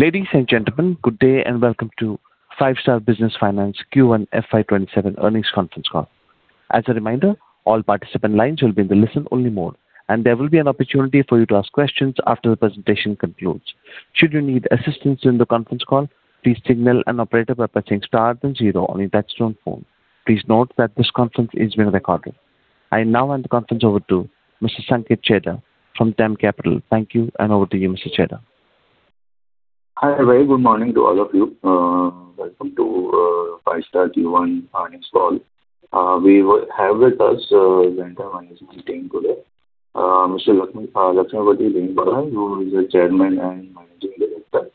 Ladies and gentlemen, good day and welcome to Five-Star Business Finance Q1 FY 2027 Earnings Conference Call. As a reminder, all participant lines will be in the listen only mode, and there will be an opportunity for you to ask questions after the presentation concludes. Should you need assistance in the conference call, please signal an operator by pressing star then zero on your touchtone phone. Please note that this conference is being recorded. I now hand the conference over to Mr. Sanket Chheda from DAM Capital. Thank you, and over to you, Mr. Chheda. Hi, a very good morning to all of you. Welcome to Five-Star Q1 earnings call. We have with us the entire management team today. Mr. Lakshmipathy Deenadayalan, who is the Chairman and Managing Director.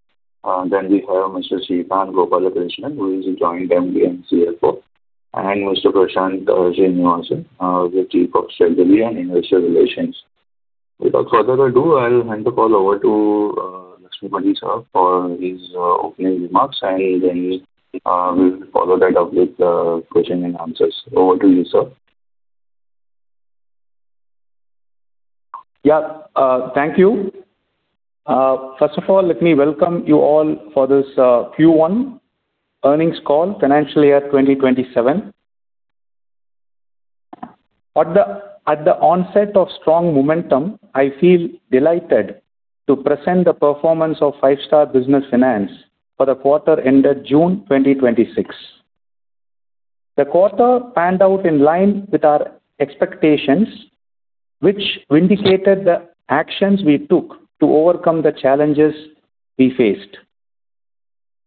Then we have Mr. Srikanth Gopalakrishnan, who is the Joint MD and CFO, and Mr. Prashanth Sreenivasan, who is the Chief of Strategy and Investor Relations. Without further ado, I'll hand the call over to Lakshmipathy for his opening remarks, and then we'll follow that up with question and answers. Over to you, sir. Yeah. Thank you. First of all, let me welcome you all for this Q1 earnings call, financial year 2027. At the onset of strong momentum, I feel delighted to present the performance of Five-Star Business Finance for the quarter ended June 2026. The quarter panned out in line with our expectations, which vindicated the actions we took to overcome the challenges we faced.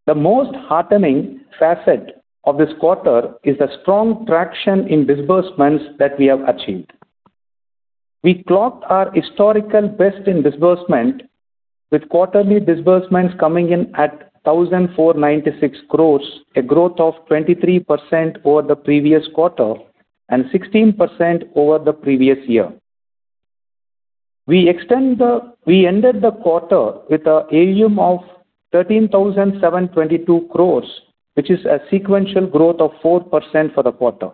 The most heartening facet of this quarter is the strong traction in disbursements that we have achieved. We clocked our historical best in disbursement, with quarterly disbursements coming in at 1,496 crores, a growth of 23% over the previous quarter and 16% over the previous year. We ended the quarter with an AUM of 13,722 crores, which is a sequential growth of 4% for the quarter.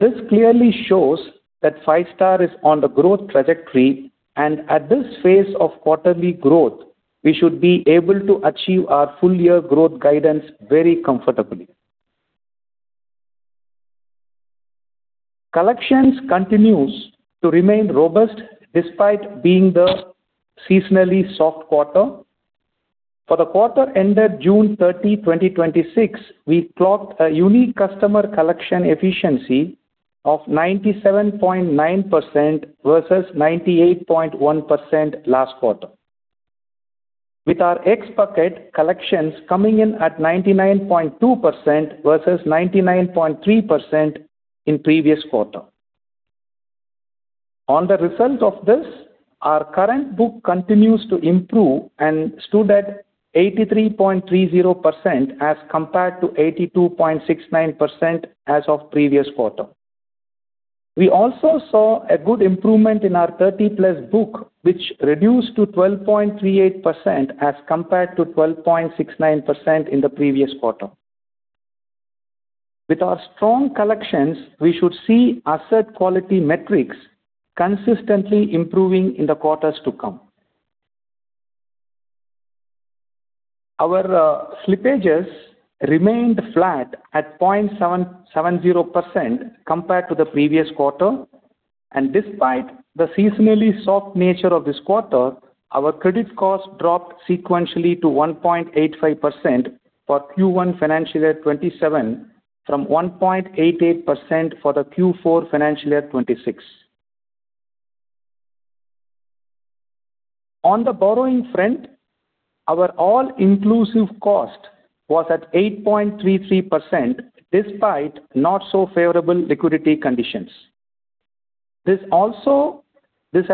This clearly shows that Five-Star is on the growth trajectory, and at this phase of quarterly growth, we should be able to achieve our full-year growth guidance very comfortably. Collections continues to remain robust despite being the seasonally soft quarter. For the quarter ended June 30, 2026, we clocked a unique customer collection efficiency of 97.9% versus 98.1% last quarter, with our ex-bucket collections coming in at 99.2% versus 99.3% in previous quarter. As a result of this, our current book continues to improve and stood at 83.30% as compared to 82.69% as of previous quarter. We also saw a good improvement in our 30+ book, which reduced to 12.38% as compared to 12.69% in the previous quarter. With our strong collections, we should see asset quality metrics consistently improving in the quarters to come. Our slippages remained flat at 0.70% compared to the previous quarter. Despite the seasonally soft nature of this quarter, our credit cost dropped sequentially to 1.85% for Q1 financial year 2027, from 1.88% for the Q4 financial year 2026. On the borrowing front, our all-inclusive cost was at 8.33%, despite not so favorable liquidity conditions. This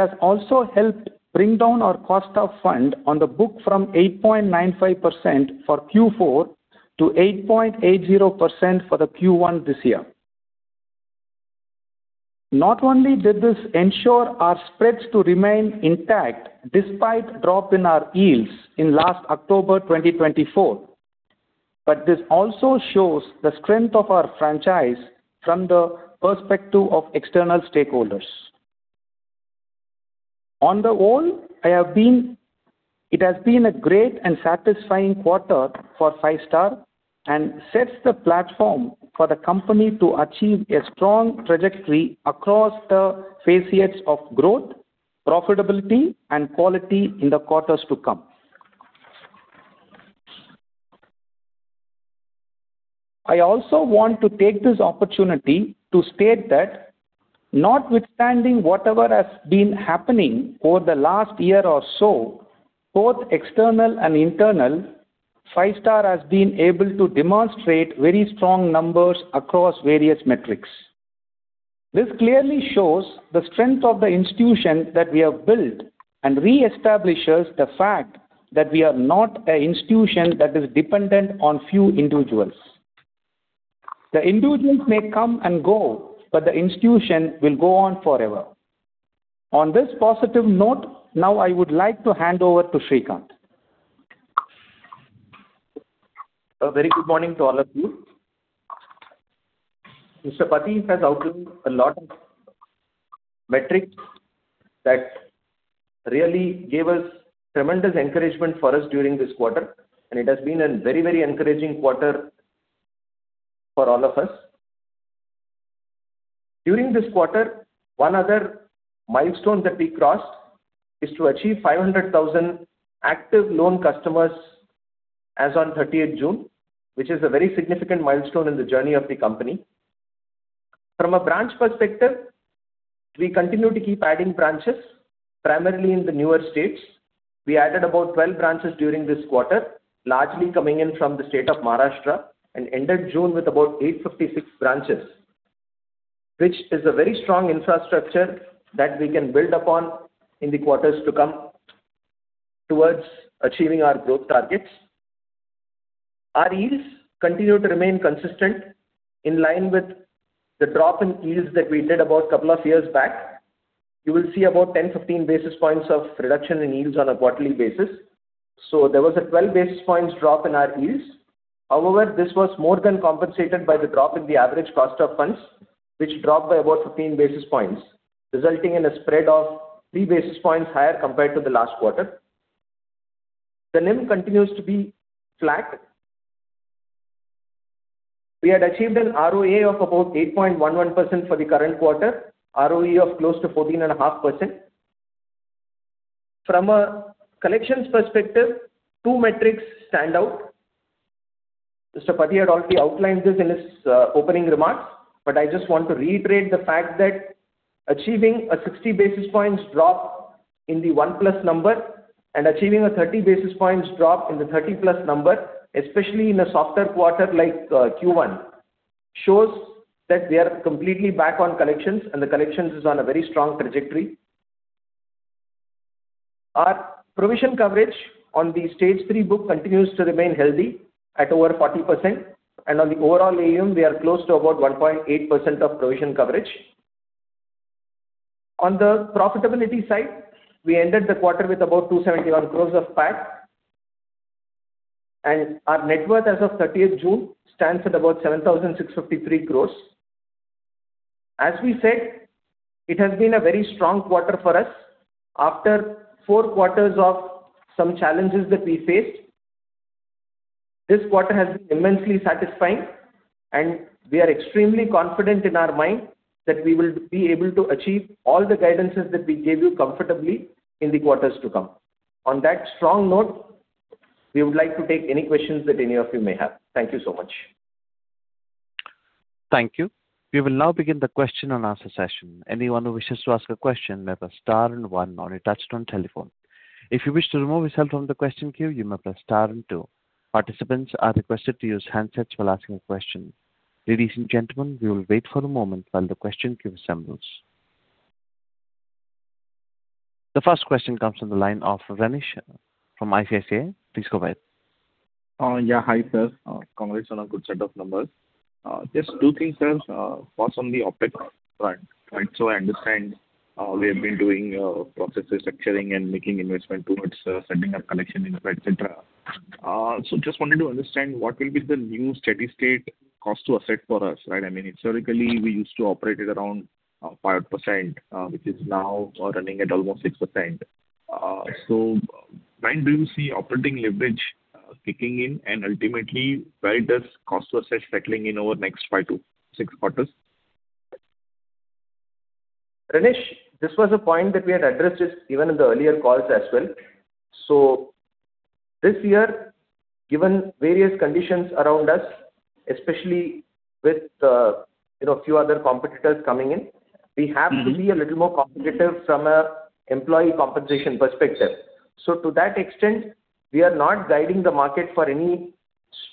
has also helped bring down our cost of fund on the book from 8.95% for Q4 to 8.80% for the Q1 this year. Not only did this ensure our spreads to remain intact despite a drop in our yields in last October 2024, but this also shows the strength of our franchise from the perspective of external stakeholders. On the whole, it has been a great and satisfying quarter for Five-Star and sets the platform for the company to achieve a strong trajectory across the facets of growth, profitability and quality in the quarters to come. I also want to take this opportunity to state that notwithstanding whatever has been happening over the last year or so, both external and internal, Five-Star has been able to demonstrate very strong numbers across various metrics. This clearly shows the strength of the institution that we have built and re-establishes the fact that we are not an institution that is dependent on few individuals. The individuals may come and go, but the institution will go on forever. On this positive note, now I would like to hand over to Srikanth. A very good morning to all of you. Mr. Pathy has outlined a lot of metrics that really gave us tremendous encouragement for us during this quarter. It has been a very encouraging quarter for all of us. During this quarter, one other milestone that we crossed is to achieve 500,000 active loan customers as on 30th June, which is a very significant milestone in the journey of the company. From a branch perspective, we continue to keep adding branches, primarily in the newer states. We added about 12 branches during this quarter, largely coming in from the state of Maharashtra, and ended June with about 856 branches, which is a very strong infrastructure that we can build upon in the quarters to come towards achieving our growth targets. Our yields continue to remain consistent in line with the drop in yields that we did about a couple of years back. You will see about 10-15 basis points of reduction in yields on a quarterly basis. There was a 12 basis points drop in our yields. However, this was more than compensated by the drop in the average cost of funds, which dropped by about 15 basis points, resulting in a spread of 3 basis points higher compared to the last quarter. The NIM continues to be flat. We had achieved an ROA of about 8.11% for the current quarter, ROE of close to 14.5%. From a collections perspective, two metrics stand out. Mr. Pathy had already outlined this in his opening remarks, I just want to reiterate the fact that achieving a 60 basis points drop in the one-plus number and achieving a 30 basis points drop in the 30+ number, especially in a softer quarter like Q1, shows that we are completely back on collections, and the collections is on a very strong trajectory. Our provision coverage on the Stage 3 book continues to remain healthy at over 40%, and on the overall AUM, we are close to about 1.8% of provision coverage. On the profitability side, we ended the quarter with about 271 crore of PAT, and our net worth as of 30th June stands at about 7,653 crore. As we said, it has been a very strong quarter for us. After four quarters of some challenges that we faced, this quarter has been immensely satisfying, and we are extremely confident in our mind that we will be able to achieve all the guidances that we gave you comfortably in the quarters to come. On that strong note, we would like to take any questions that any of you may have. Thank you so much. Thank you. We will now begin the question and answer session. Anyone who wishes to ask a question may press star and one on your touch-tone telephone. If you wish to remove yourself from the question queue, you may press star and two. Participants are requested to use handsets while asking a question. Ladies and gentlemen, we will wait for a moment while the question queue assembles. The first question comes from the line of Renish from ICICI. Please go ahead. Yeah. Hi, sir. Congrats on a good set of numbers. Just two things, sir. First, on the OpEx front. I understand we have been doing processes structuring and making investment towards setting up collection infrastructure. Just wanted to understand what will be the new steady-state cost to asset for us. I mean, historically, we used to operate at around 5%, which is now running at almost 6%. When do you see operating leverage kicking in, and ultimately, where does cost to asset settling in over the next five to six quarters? Renish, this was a point that we had addressed even in the earlier calls as well. This year, given various conditions around us, especially with a few other competitors coming in, we have to be a little more competitive from an employee compensation perspective. To that extent, we are not guiding the market for any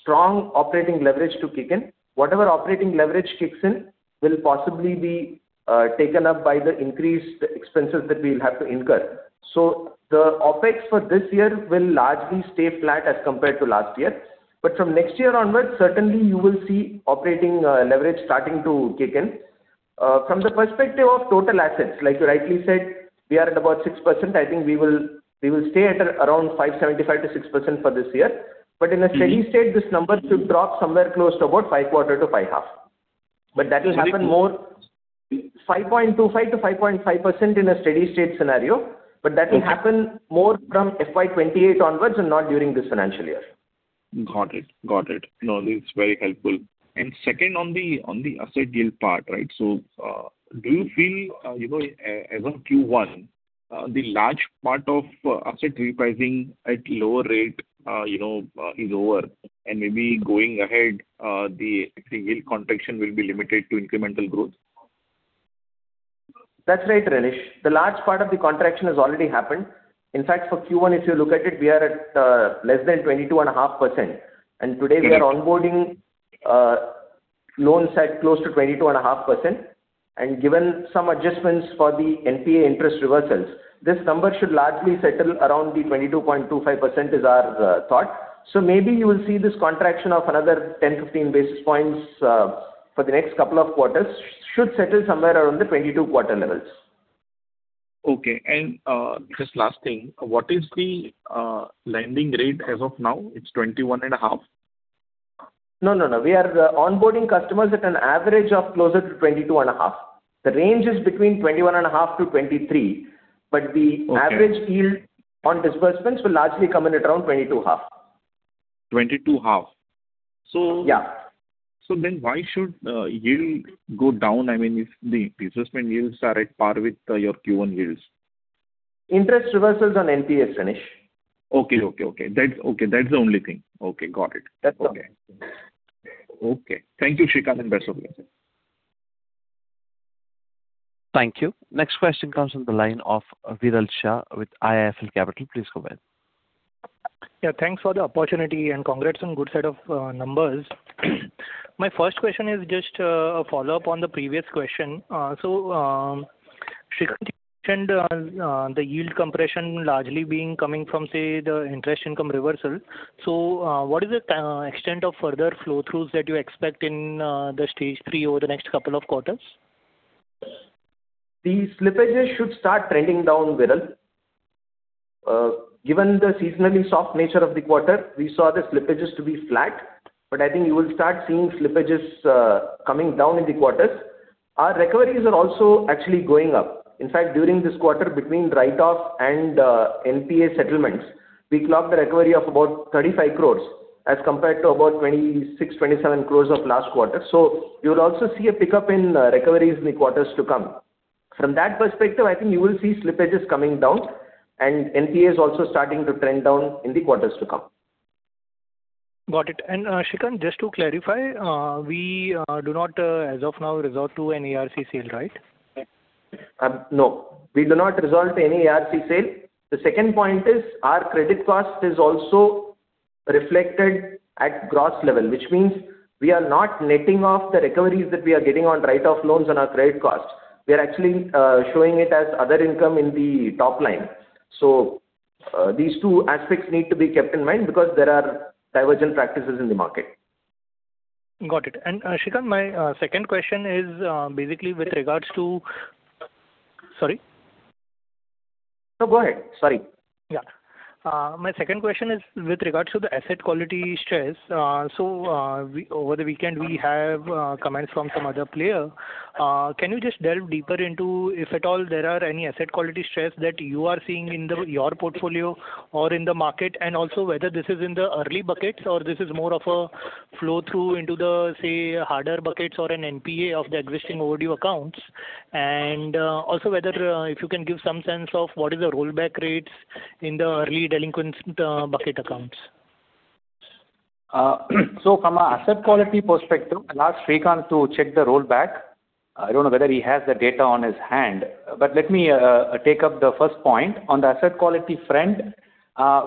strong operating leverage to kick in. Whatever operating leverage kicks in will possibly be taken up by the increased expenses that we'll have to incur. The OpEx for this year will largely stay flat as compared to last year. From next year onwards, certainly you will see operating leverage starting to kick in. From the perspective of total assets, like you rightly said, we are at about 6%. I think we will stay at around 5.75%-6% for this year. In a steady-state, this number should drop somewhere close to about 5.25%-5.5%. Okay. 5.25%-5.5% in a steady-state scenario. That will happen more from FY 2028 onwards and not during this financial year. Got it. No, it's very helpful. Second, on the asset yield part. Do you feel, as of Q1, the large part of asset repricing at lower rate is over, and maybe going ahead, the actual yield contraction will be limited to incremental growth? That's right, Renish. The large part of the contraction has already happened. In fact, for Q1, if you look at it, we are at less than 22.5%. Today we are onboarding loans at close to 22.5%. Given some adjustments for the NPA interest reversals, this number should largely settle around the 22.25% is our thought. Maybe you will see this contraction of another 10, 15 basis points for the next couple of quarters, should settle somewhere around the 22.25% levels. Okay. Just last thing, what is the lending rate as of now? It's 21.5%? No. We are onboarding customers at an average of closer to 22.5%. The range is between 21.5%-23%. Average yield on disbursements will largely come in at around 22.5%. 22.5%. Yeah. Why should yield go down if the disbursement yields are at par with your Q1 yields? Interest reversals on NPAs, Renish. Okay. That's the only thing. Okay, got it. That's all. Okay. Thank you, Srikanth, and best of luck. Thank you. Next question comes from the line of Viral Shah with IIFL Capital. Please go ahead. Yeah. Thanks for the opportunity and congrats on good set of numbers. My first question is just a follow-up on the previous question. Srikanth, the yield compression largely being coming from, say, the interest income reversal. What is the extent of further flow-throughs that you expect in the Stage 3 over the next couple of quarters? The slippages should start trending down, Viral. Given the seasonally soft nature of the quarter, we saw the slippages to be flat. I think you will start seeing slippages coming down in the quarters. Our recoveries are also actually going up. In fact, during this quarter between write-offs and NPA settlements, we clocked a recovery of about 35 crore as compared to about 26 crore, 27 crore of last quarter. You'll also see a pickup in recoveries in the quarters to come. From that perspective, I think you will see slippages coming down and NPAs also starting to trend down in the quarters to come. Got it. Srikanth, just to clarify, we do not as of now resort to any ARC sale, right? No. We do not resort to any ARC sale. The second point is our credit cost is also reflected at gross level, which means we are not netting off the recoveries that we are getting on write-off loans on our credit costs. We are actually showing it as other income in the top line. These two aspects need to be kept in mind because there are divergent practices in the market. Got it. Srikanth, my second question is basically with regards to Sorry? No, go ahead. Sorry. My second question is with regards to the asset quality stress. Over the weekend we have comments from some other player. Can you just delve deeper into if at all there are any asset quality stress that you are seeing in your portfolio or in the market? And also whether this is in the early buckets or this is more of a flow-through into the, say, harder buckets or an NPA of the existing overdue accounts. And also whether if you can give some sense of what is the rollback rates in the early delinquent bucket accounts. From a asset quality perspective, I'll ask Srikanth to check the rollback. I don't know whether he has the data on his hand, but let me take up the first point. On the asset quality front,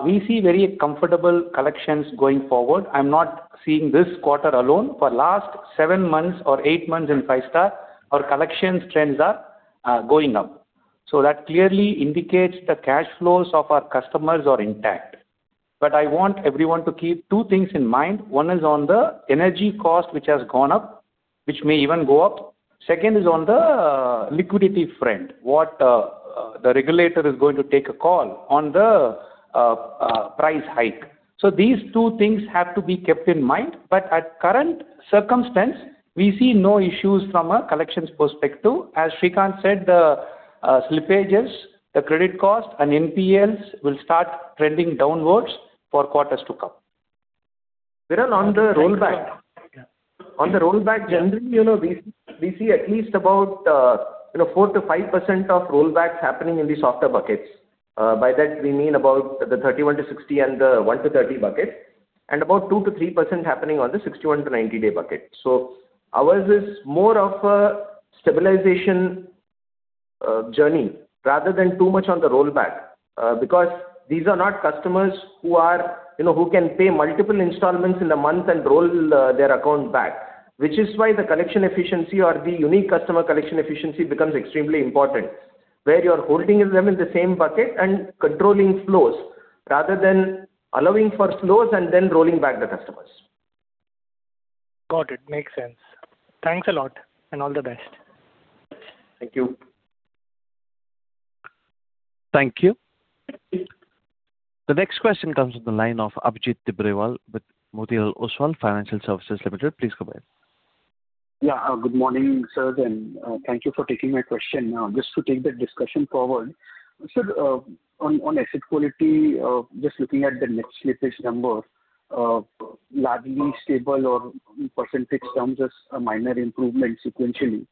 we see very comfortable collections going forward. I'm not seeing this quarter alone. For last seven months or eight months in Five-Star, our collections trends are going up. That clearly indicates the cash flows of our customers are intact. I want everyone to keep two things in mind. One is on the energy cost, which has gone up, which may even go up. Second is on the liquidity front, what the regulator is going to take a call on the price hike. These two things have to be kept in mind, but at current circumstance, we see no issues from a collections perspective. As Srikanth said, the slippages, the credit cost, and NPLs will start trending downwards for quarters to come. Viral, on the rollback, generally, we see at least about 4%-5% of rollbacks happening in the softer buckets. By that, we mean about the 31-60 and the 1-30 bucket, and about 2%-3% happening on the 61-90-day bucket. Ours is more of a stabilization journey rather than too much on the rollback, because these are not customers who can pay multiple installments in a month and roll their account back. Which is why the collection efficiency or the unique customer collection efficiency becomes extremely important, where you're holding them in the same bucket and controlling flows rather than allowing for flows and then rolling back the customers. Got it. Makes sense. Thanks a lot, and all the best. Thank you. Thank you. The next question comes from the line of Abhijit Tibrewal with Motilal Oswal Financial Services Limited. Please go ahead. Good morning, sirs, and thank you for taking my question. Just to take the discussion forward. Sir, on asset quality, just looking at the net slippage number, largely stable or in percentage terms, just a minor improvement sequentially.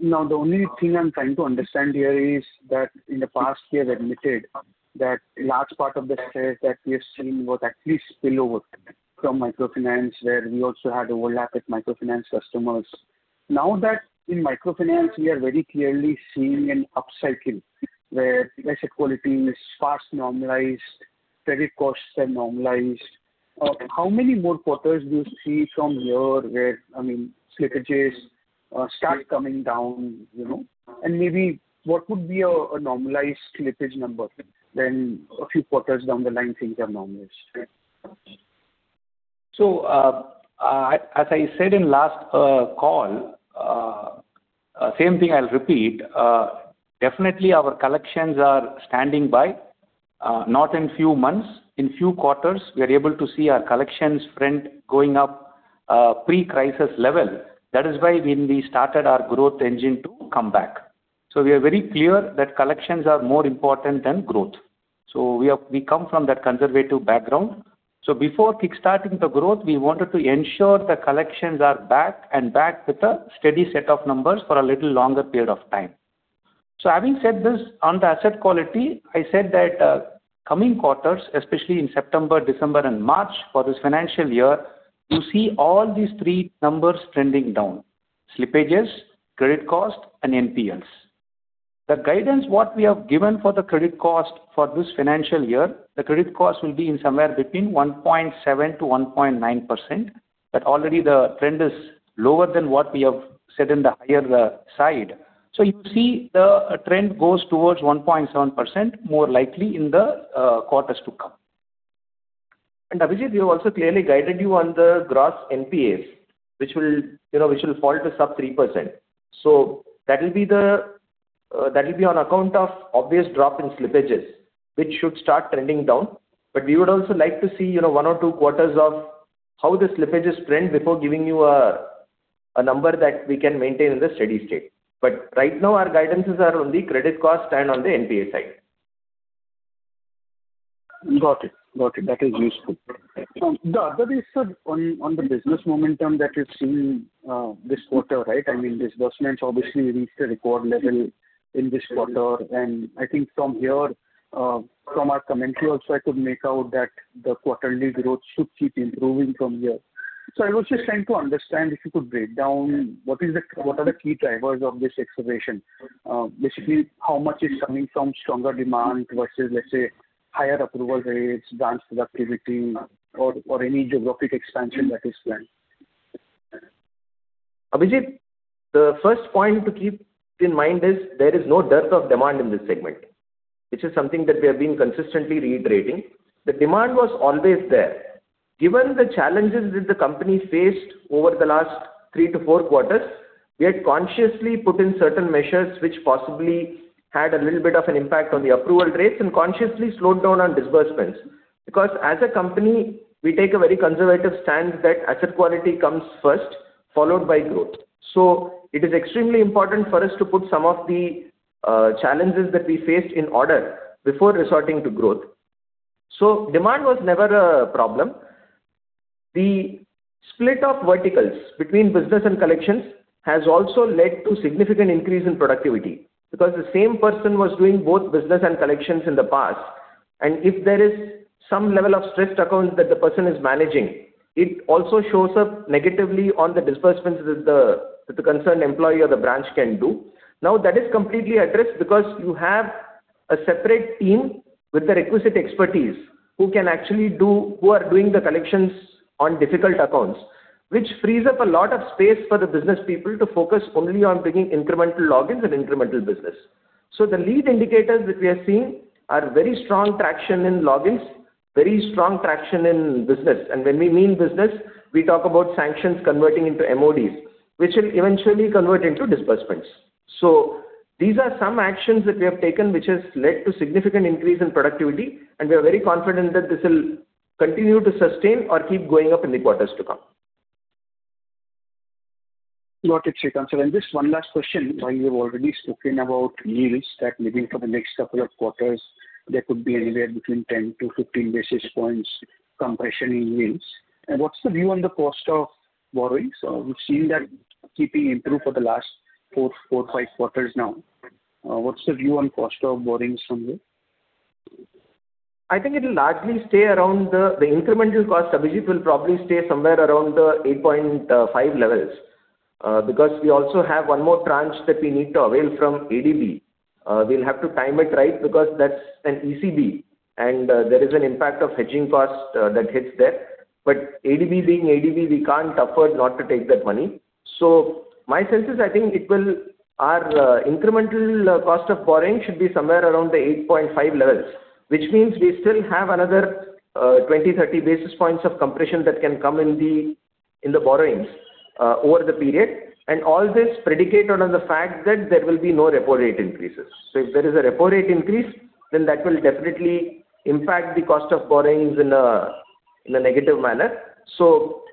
The only thing I'm trying to understand here is that in the past we have admitted that large part of the stress that we have seen was at least spillover from microfinance, where we also had overlap with microfinance customers. That in microfinance, we are very clearly seeing an upcycle where asset quality is fast normalized, credit costs are normalized. How many more quarters do you see from here where slippages start coming down? Maybe what would be a normalized slippage number when a few quarters down the line things are normalized? As I said in last call, same thing I'll repeat. Definitely our collections are standing by, not in few months, in few quarters, we are able to see our collections trend going up pre-crisis level. That is why when we started our growth engine to come back. We are very clear that collections are more important than growth. We come from that conservative background. Before kick-starting the growth, we wanted to ensure the collections are back and back with a steady-state of numbers for a little longer period of time. Having said this, on the asset quality, I said that coming quarters, especially in September, December and March for this financial year, you see all these three numbers trending down, slippages, credit cost and NPLs. The guidance, what we have given for the credit cost for this financial year, the credit cost will be in somewhere between 1.7%-1.9%, but already the trend is lower than what we have said in the higher side. You see the trend goes towards 1.7% more likely in the quarters to come. Abhijit, we have also clearly guided you on the gross NPAs, which will fall to sub 3%. That will be on account of obvious drop in slippages, which should start trending down. We would also like to see one or two quarters of how the slippages trend before giving you a number that we can maintain in the steady-state. Right now, our guidances are on the credit cost and on the NPA side. Got it. Got it. That is useful. The other is, sir, on the business momentum that you're seeing this quarter, right? I mean, disbursements obviously reached a record level in this quarter, I think from here, from our commentary also, I could make out that the quarterly growth should keep improving from here. I was just trying to understand if you could break down what are the key drivers of this acceleration. Basically, how much is coming from stronger demand versus, let's say, higher approval rates, branch productivity, or any geographic expansion that is planned. Abhijit, the first point to keep in mind is there is no dearth of demand in this segment, which is something that we have been consistently reiterating. The demand was always there. Given the challenges that the company faced over the last three to four quarters, we had consciously put in certain measures which possibly had a little bit of an impact on the approval rates and consciously slowed down on disbursements. Because as a company, we take a very conservative stand that asset quality comes first, followed by growth. It is extremely important for us to put some of the challenges that we faced in order before resorting to growth. Demand was never a problem. The split of verticals between business and collections has also led to significant increase in productivity because the same person was doing both business and collections in the past. If there is some level of stressed account that the person is managing, it also shows up negatively on the disbursements that the concerned employee or the branch can do. That is completely addressed because you have a separate team with the requisite expertise who are doing the collections on difficult accounts, which frees up a lot of space for the business people to focus only on bringing incremental logins and incremental business. The lead indicators which we are seeing are very strong traction in logins, very strong traction in business. When we mean business, we talk about sanctions converting into MODs, which will eventually convert into disbursements. These are some actions that we have taken, which has led to significant increase in productivity, and we are very confident that this will continue to sustain or keep going up in the quarters to come. Got it, Srikanth. Just one last question. While you have already spoken about yields that maybe for the next couple of quarters, there could be anywhere between 10-15 basis points compression in yields. What's the view on the cost of borrowings? We've seen that keeping improve for the last four, five quarters now. What's the view on cost of borrowings from here? It will largely stay around the incremental cost, Abhijit, will probably stay somewhere around the 8.5 levels. Because we also have one more tranche that we need to avail from ADB. We'll have to time it right because that's an ECB and there is an impact of hedging cost that hits there. But ADB being ADB, we can't afford not to take that money. My sense is, I think our incremental cost of borrowing should be somewhere around the 8.5 levels, which means we still have another 20, 30 basis points of compression that can come in the borrowings over the period. All this predicated on the fact that there will be no repo rate increases. If there is a repo rate increase, then that will definitely impact the cost of borrowings in a negative manner.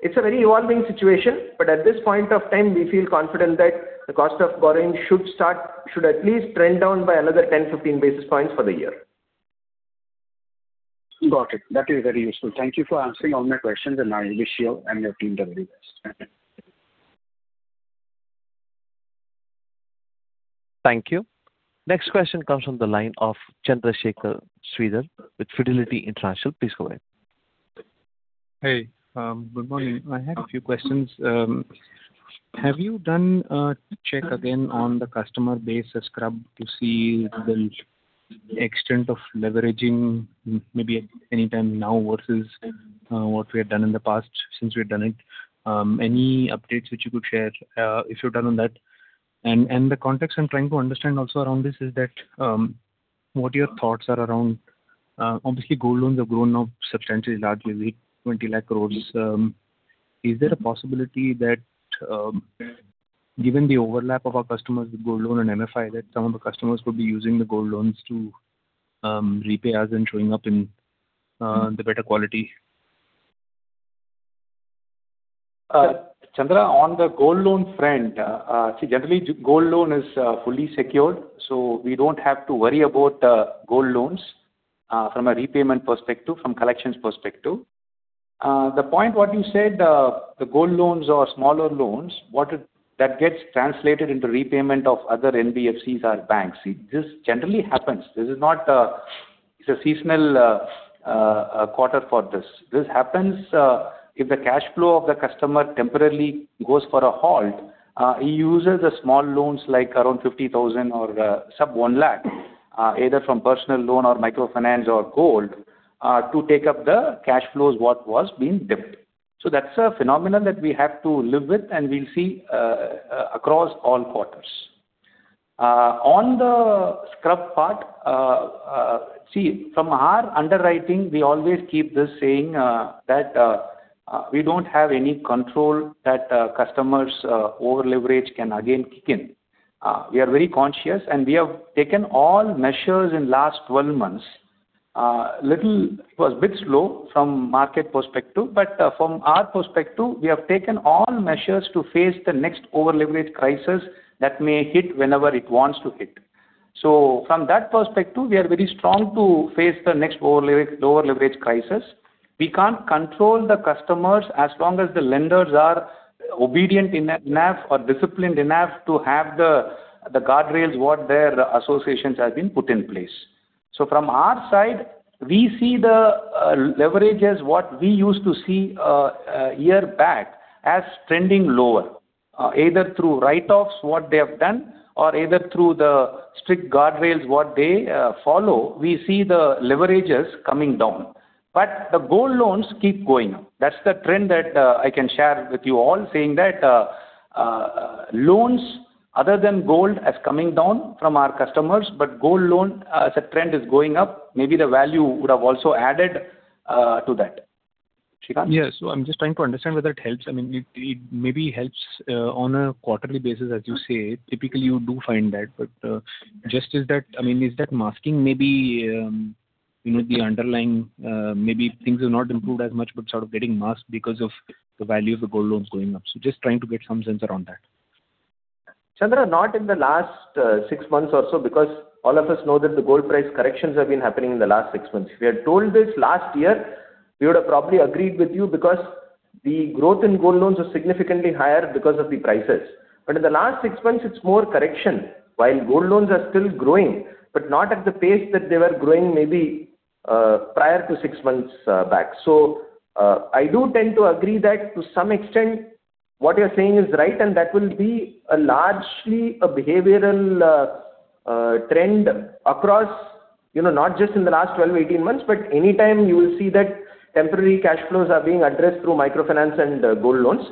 It's a very evolving situation, but at this point of time, we feel confident that the cost of borrowing should at least trend down by another 10, 15 basis points for the year. Got it. That is very useful. Thank you for answering all my questions. I wish you and your team the very best. Thank you. Next question comes from the line of Chandrasekhar Sridhar with Fidelity International. Please go ahead. Hey, good morning. I had a few questions. Have you done a check again on the customer base scrub to see the extent of leveraging maybe any time now versus what we have done in the past since we've done it? Any updates which you could share if you've done on that? The context I'm trying to understand also around this is that What are your thoughts around, obviously gold loans have grown now substantially, largely 20 lakh crore. Is there a possibility that given the overlap of our customers with gold loan and MFI, that some of the customers could be using the gold loans to repay us and showing up in the better quality? Chandra, on the gold loan front, see, generally gold loan is fully secured, so we don't have to worry about gold loans from a repayment perspective, from collections perspective. The point what you said, the gold loans or smaller loans, that gets translated into repayment of other NBFCs or banks. See, this generally happens. It's a seasonal quarter for this. This happens if the cash flow of the customer temporarily goes for a halt, he uses the small loans like around 50,000 or sub 1 lakh, either from personal loan or microfinance or gold, to take up the cash flows what was being dipped. That's a phenomenon that we have to live with, we'll see across all quarters. On the scrub part, see, from our underwriting, we always keep this saying that we don't have any control that customers over-leverage can again kick in. We are very conscious. We have taken all measures in last 12 months. It was a bit slow from market perspective, but from our perspective, we have taken all measures to face the next over-leverage crisis that may hit whenever it wants to hit. From that perspective, we are very strong to face the next over-leverage crisis. We can't control the customers as long as the lenders are obedient enough or disciplined enough to have the guardrails what their associations have been put in place. From our side, we see the leverages what we used to see a year back as trending lower, either through write-offs, what they have done, or either through the strict guardrails, what they follow, we see the leverages coming down. The gold loans keep going up. That's the trend that I can share with you all, saying that loans other than gold as coming down from our customers, but gold loan as a trend is going up, maybe the value would have also added to that. Srikanth? Yes. I'm just trying to understand whether it helps. I mean, it maybe helps on a quarterly basis, as you say, typically you do find that, but just is that masking maybe the underlying, maybe things have not improved as much but sort of getting masked because of the value of the gold loans going up. Just trying to get some sense around that. Chandra, not in the last six months or so because all of us know that the gold price corrections have been happening in the last six months. If you had told this last year, we would have probably agreed with you because the growth in gold loans was significantly higher because of the prices. In the last six months, it's more correction while gold loans are still growing, but not at the pace that they were growing maybe prior to six months back. I do tend to agree that to some extent what you're saying is right. That will be a largely a behavioral trend across, not just in the last 12 or 18 months, but any time you will see that temporary cash flows are being addressed through microfinance and gold loans.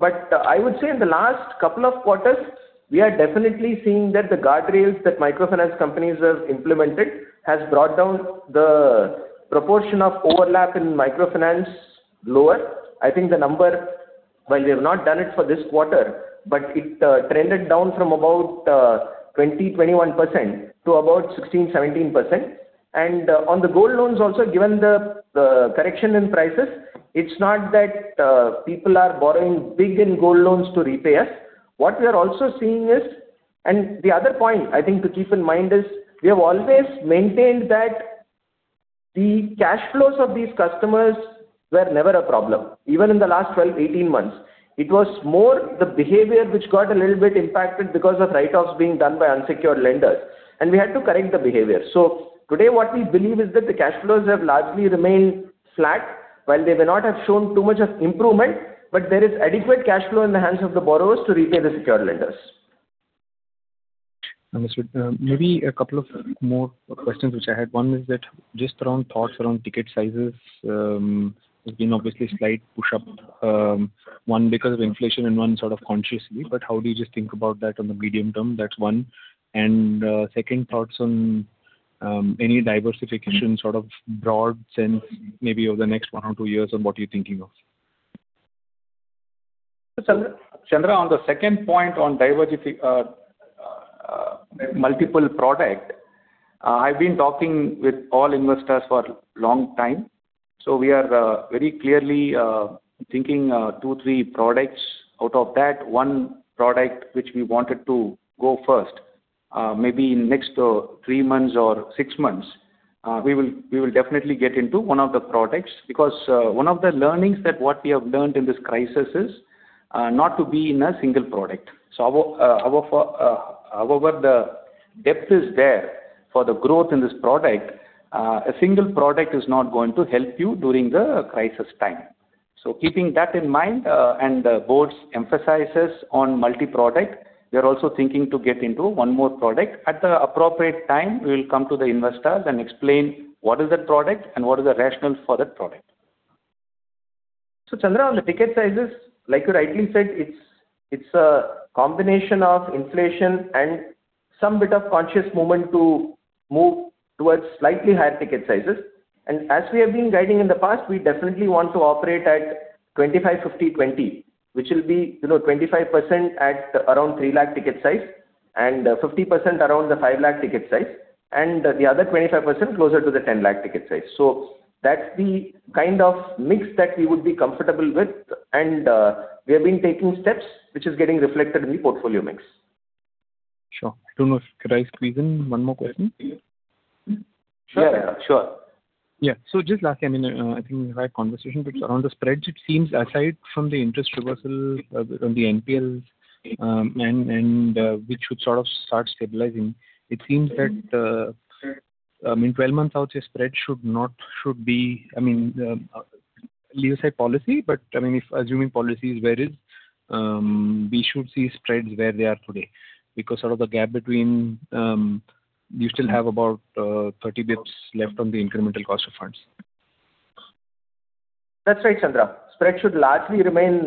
I would say in the last couple of quarters, we are definitely seeing that the guardrails that microfinance companies have implemented has brought down the proportion of overlap in microfinance lower. I think the number, while they have not done it for this quarter, but it trended down from about 20%-21% to about 16%-17%. On the gold loans also, given the correction in prices, it is not that people are borrowing big in gold loans to repay us. What we are also seeing is, the other point I think to keep in mind is, we have always maintained that the cash flows of these customers were never a problem, even in the last 12-18 months. It was more the behavior which got a little bit impacted because of write-offs being done by unsecured lenders, and we had to correct the behavior. Today what we believe is that the cash flows have largely remained flat while they may not have shown too much of improvement, but there is adequate cash flow in the hands of the borrowers to repay the secured lenders. Understood. Maybe a couple of more questions which I had. One is that just around thoughts around ticket sizes, there has been obviously slight push up, one because of inflation and one sort of consciously, but how do you just think about that on the medium term? That is one. Second thoughts on any diversification sort of broad sense maybe over the next one or two years on what you are thinking of. Chandra, on the second point on multiple product, I have been talking with all investors for long time. We are very clearly thinking two, three products out of that one product which we wanted to go first. Maybe in next three months or six months, we will definitely get into one of the products because one of the learnings that what we have learnt in this crisis is not to be in a single product. However the depth is there for the growth in this product, a single product is not going to help you during the crisis time. Keeping that in mind, and the boards emphasizes on multi-product, we are also thinking to get into one more product. At the appropriate time, we will come to the investors and explain what is that product and what is the rationale for that product. Chandra, on the ticket sizes, like you rightly said, it's a combination of inflation and some bit of conscious movement to move towards slightly higher ticket sizes. As we have been guiding in the past, we definitely want to operate at 25-50-20, which will be 25% at around three lakh ticket size and 50% around the five lakh ticket size and the other 25% closer to the 10 lakh ticket size. That's the kind of mix that we would be comfortable with and we have been taking steps which is getting reflected in the portfolio mix. Sure. I don't know if could I squeeze in one more question? Yeah, sure. Yeah. Just lastly, I think we've had conversation, but around the spreads, it seems aside from the interest reversal on the NPLs and which should sort of start stabilizing, it seems that, in 12 months out, Leave aside policy, but if assuming policy is varied, we should see spreads where they are today because sort of the gap between, you still have about 30 bps left on the incremental cost of funds. That's right, Chandra. Spread should largely remain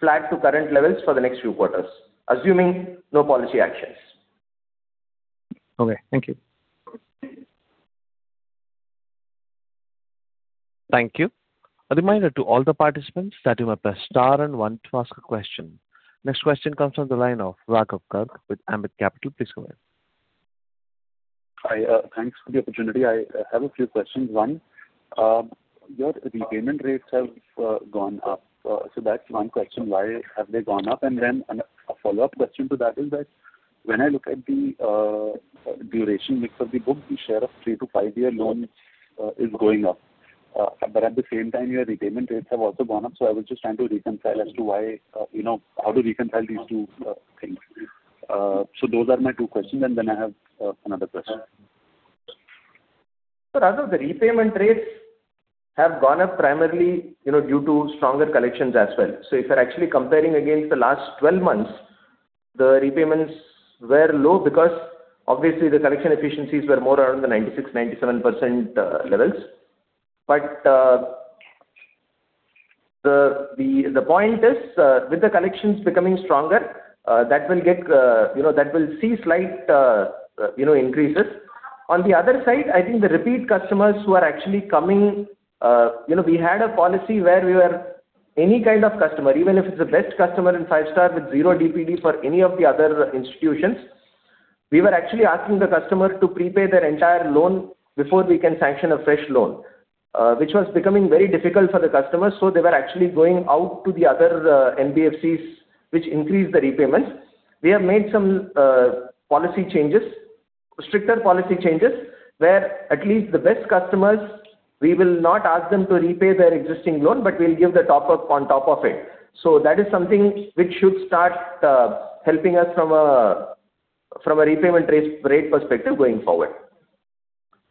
flat to current levels for the next few quarters, assuming no policy actions. Okay. Thank you. Thank you. A reminder to all the participants that you must press star one to ask a question. Next question comes from the line of Raghav Garg with Ambit Capital. Please go ahead. Hi. Thanks for the opportunity. I have a few questions. One, your repayment rates have gone up. That's one question. Why have they gone up? A follow-up question to that is that when I look at the duration mix of the book, the share of three to five-year loan is going up. At the same time, your repayment rates have also gone up. I was just trying to reconcile as to how to reconcile these two things. Those are my two questions. I have another question. Raghav, the repayment rates have gone up primarily due to stronger collections as well. If you're actually comparing against the last 12 months, the repayments were low because obviously the collection efficiencies were more around the 96%, 97% levels. The point is with the collections becoming stronger, that will see slight increases. On the other side, I think the repeat customers who are actually coming, we had a policy where we were any kind of customer, even if it's the best customer in Five-Star with zero DPD for any of the other institutions, we were actually asking the customer to prepay their entire loan before we can sanction a fresh loan, which was becoming very difficult for the customers. They were actually going out to the other NBFCs, which increased the repayments. We have made some policy changes, stricter policy changes, where at least the best customers, we will not ask them to repay their existing loan, but we'll give the top-up on top of it. That is something which should start helping us from a repayment rate perspective going forward.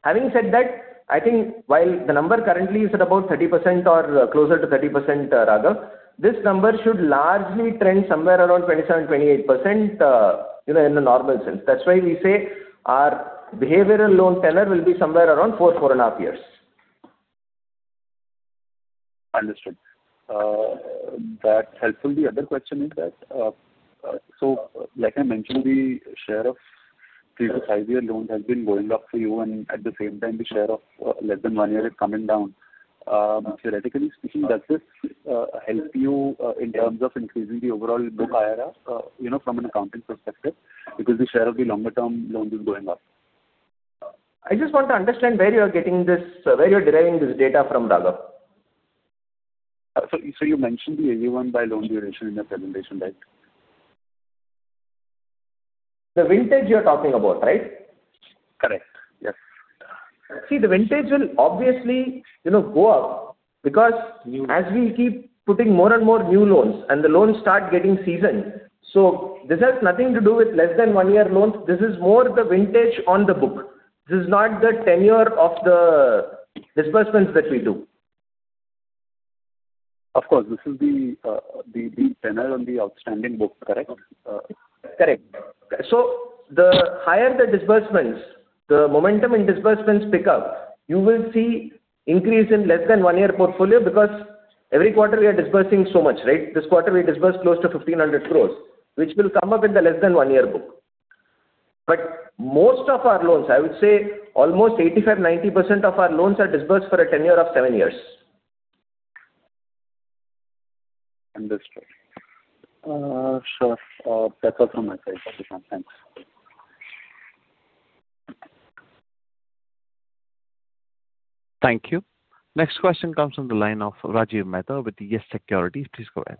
Having said that, I think while the number currently is at about 30% or closer to 30%, Raghav, this number should largely trend somewhere around 27%, 28% in a normal sense. That's why we say our behavioral loan tenure will be somewhere around 4.5 years. Understood. That's helpful. The other question is that, like I mentioned, the share of three to five-year loans has been going up for you and at the same time, the share of less than one year is coming down. Theoretically speaking, does this help you in terms of increasing the overall book IRR from an accounting perspective because the share of the longer-term loans is going up? I just want to understand where you are deriving this data from, Raghav. You mentioned the age one by loan duration in your presentation, right? The vintage you're talking about, right? Correct. Yes. See, the vintage will obviously go up because as we keep putting more and more new loans and the loans start getting seasoned. This has nothing to do with less than one-year loans. This is more the vintage on the book. This is not the tenure of the disbursements that we do. Of course, this is the tenure on the outstanding book, correct? Correct. The higher the disbursements, the momentum in disbursements pick up, you will see increase in less than one-year portfolio because every quarter we are disbursing so much, right? This quarter we disbursed close to 1,500 crore, which will come up in the less than one-year book. Most of our loans, I would say almost 85%, 90% of our loans are disbursed for a tenure of seven years. Understood. Sure. That's all from my side. Thank you. Thank you. Next question comes from the line of Rajiv Mehta with YES Securities. Please go ahead.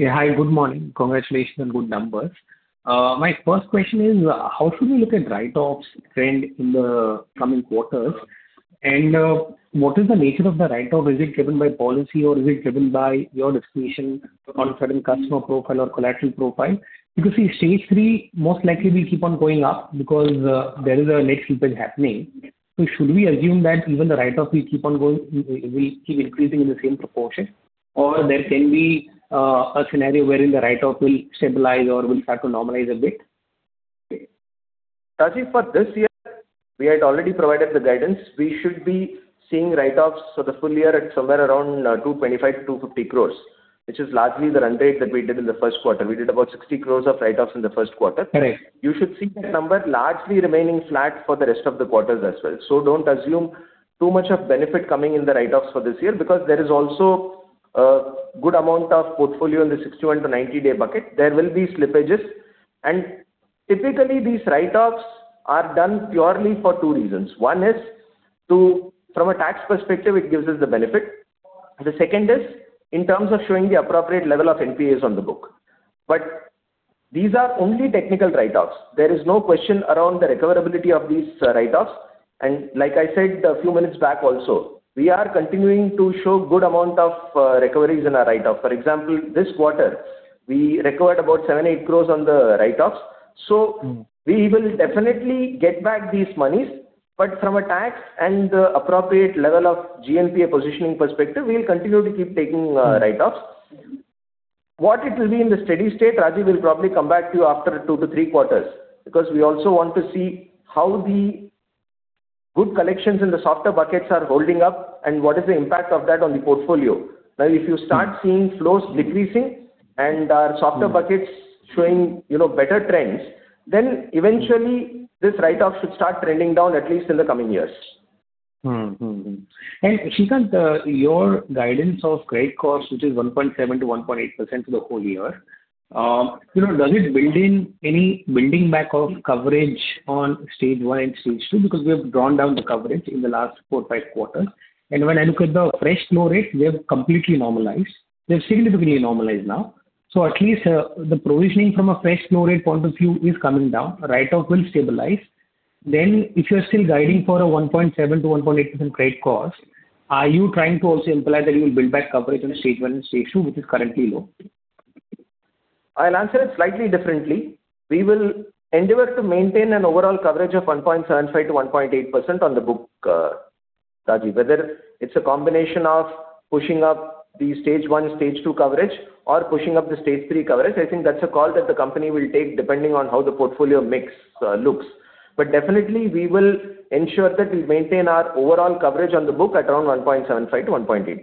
Hi, good morning. Congratulations on good numbers. My first question is how should we look at write-offs trend in the coming quarters and what is the nature of the write-off? Is it driven by policy or is it driven by your discretion on a certain customer profile or collateral profile? See, Stage 3 most likely will keep on going up because there is a rate increase happening. Should we assume that even the write-off will keep increasing in the same proportion or there can be a scenario wherein the write-off will stabilize or will start to normalize a bit? Rajiv, for this year, we had already provided the guidance. We should be seeing write-offs for the full year at somewhere around 225 crores-250 crores, which is largely the run rate that we did in the first quarter. We did about 60 crores of write-offs in the first quarter. Correct. You should see that number largely remaining flat for the rest of the quarters as well. Don't assume too much of benefit coming in the write-offs for this year, because there is also a good amount of portfolio in the 60-90 day bucket. There will be slippages. Typically, these write-offs are done purely for two reasons. One is from a tax perspective, it gives us the benefit. The second is in terms of showing the appropriate level of NPAs on the book. These are only technical write-offs. There is no question around the recoverability of these write-offs. Like I said a few minutes back also, we are continuing to show good amount of recoveries in our write-off. For example, this quarter, we recovered about 7 crores, 8 crores on the write-offs. We will definitely get back these monies, from a tax and the appropriate level of GNPA positioning perspective, we will continue to keep taking write-offs. What it will be in the steady-state, Rajiv, we'll probably come back to you after two to three quarters. We also want to see how the good collections in the softer buckets are holding up and what is the impact of that on the portfolio. Now, if you start seeing flows decreasing and our softer buckets showing better trends, eventually this write-off should start trending down, at least in the coming years. Srikanth, your guidance of credit cost, which is 1.7%-1.8% for the whole year, does it build in any building back of coverage on Stage 1 and Stage 2? Because we have drawn down the coverage in the last four, five quarters. When I look at the fresh flow rate, we have completely normalized. We have significantly normalized now. At least the provisioning from a fresh flow rate point of view is coming down. Write-off will stabilize. If you're still guiding for a 1.7%-1.8% credit cost, are you trying to also imply that you will build back coverage in the Stage 1 and Stage 2, which is currently low? I'll answer it slightly differently. We will endeavor to maintain an overall coverage of 1.75%-1.8% on the book, Rajiv. Whether it's a combination of pushing up the Stage 1, Stage 2 coverage or pushing up the Stage 3 coverage, I think that's a call that the company will take depending on how the portfolio mix looks. Definitely, we will ensure that we maintain our overall coverage on the book at around 1.75%-1.8%.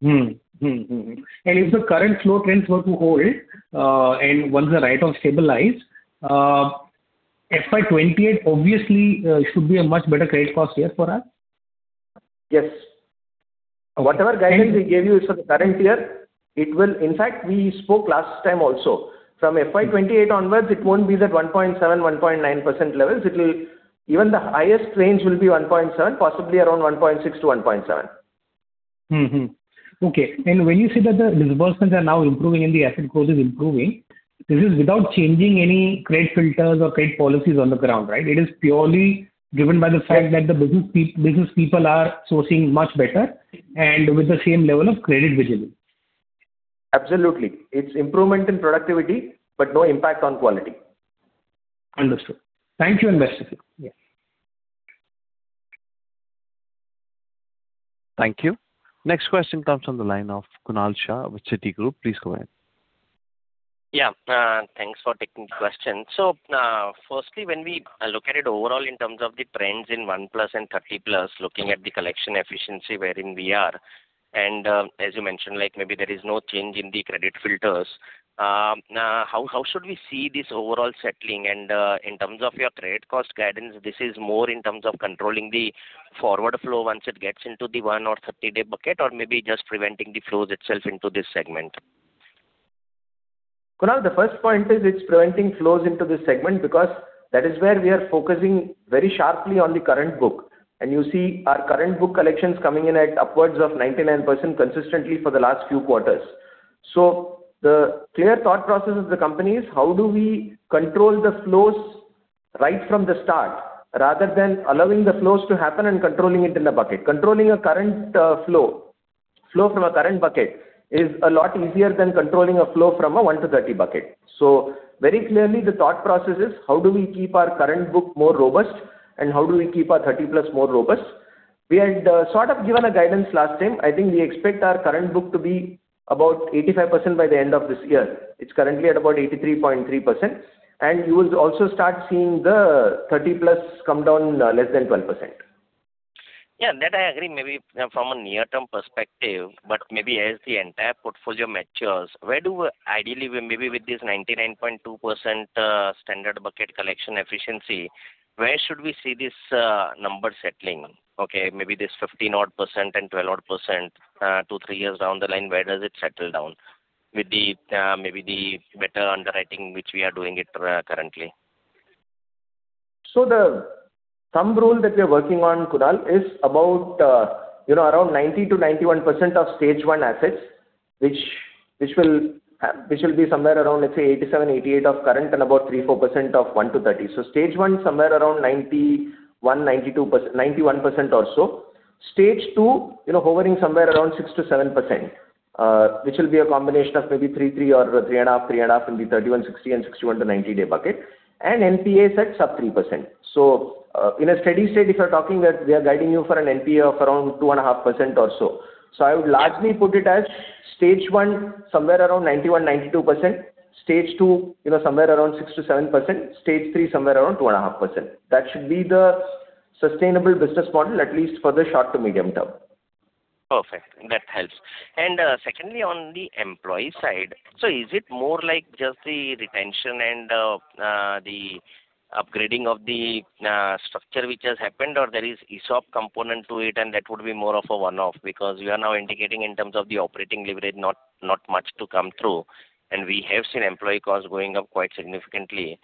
If the current flow trends were to hold, and once the write-offs stabilize, FY 2028 obviously should be a much better credit cost year for us? Yes. Whatever guidance we gave you is for the current year. In fact, we spoke last time also. From FY 2028 onwards, it won't be that 1.7%, 1.9% levels. Even the highest range will be 1.7%, possibly around 1.6%-1.7%. Okay. When you say that the disbursements are now improving and the asset growth is improving, this is without changing any credit filters or credit policies on the ground, right? It is purely driven by the fact that the business people are sourcing much better, with the same level of credit vigilance. Absolutely. It's improvement in productivity, but no impact on quality. Understood. Thank you and best wishes. Yeah. Thank you. Next question comes from the line of Kunal Shah with Citigroup. Please go ahead. Yeah. Thanks for taking the question. Firstly, when we look at it overall in terms of the trends in one-plus and 30+, looking at the collection efficiency, wherein we are. As you mentioned, maybe there is no change in the credit filters. How should we see this overall settling? In terms of your credit cost guidance, this is more in terms of controlling the forward flow once it gets into the one- or 30-day bucket, or maybe just preventing the flows itself into this segment. Kunal, the first point is it's preventing flows into this segment because that is where we are focusing very sharply on the current book. You see our current book collections coming in at upwards of 99% consistently for the last few quarters. The clear thought process of the company is how do we control the flows right from the start rather than allowing the flows to happen and controlling it in the bucket. Controlling a current flow from a current bucket is a lot easier than controlling a flow from a 1-30 bucket. Very clearly, the thought process is how do we keep our current book more robust, and how do we keep our 30+ more robust. We had sort of given a guidance last time. I think we expect our current book to be about 85% by the end of this year. It's currently at about 83.3%. You will also start seeing the 30+ come down less than 12%. Yeah, that I agree maybe from a near-term perspective, maybe as the entire portfolio matures, where do ideally, maybe with this 99.2% standard bucket collection efficiency, where should we see this number settling? Okay, maybe this 15%-odd and 12%-odd, two, three years down the line, where does it settle down with maybe the better underwriting, which we are doing it currently. Some rule that we're working on, Kunal, is about 90%-91% of Stage 1 assets, which will be somewhere around, let's say, 87%-88% of current and about 3%-4% of 1-30. Stage 1, somewhere around 91%-92% or so. Stage 2, hovering somewhere around 6%-7%, which will be a combination of maybe 3% or 3.5% in the 31, 60 and 60-90-day bucket. NPA sets are 3%. In a steady-state, if you're talking, we are guiding you for an NPA of around 2.5% or so. I would largely put it as Stage 1, somewhere around 91%-92%. Stage 2, somewhere around 6%-7%. Stage 3, somewhere around 2.5%. That should be the sustainable business model, at least for the short to medium term. Perfect. That helps. Secondly, on the employee side, is it more like just the retention and the upgrading of the structure which has happened, or there is ESOP component to it and that would be more of a one-off? Because you are now indicating in terms of the operating leverage, not much to come through, and we have seen employee costs going up quite significantly.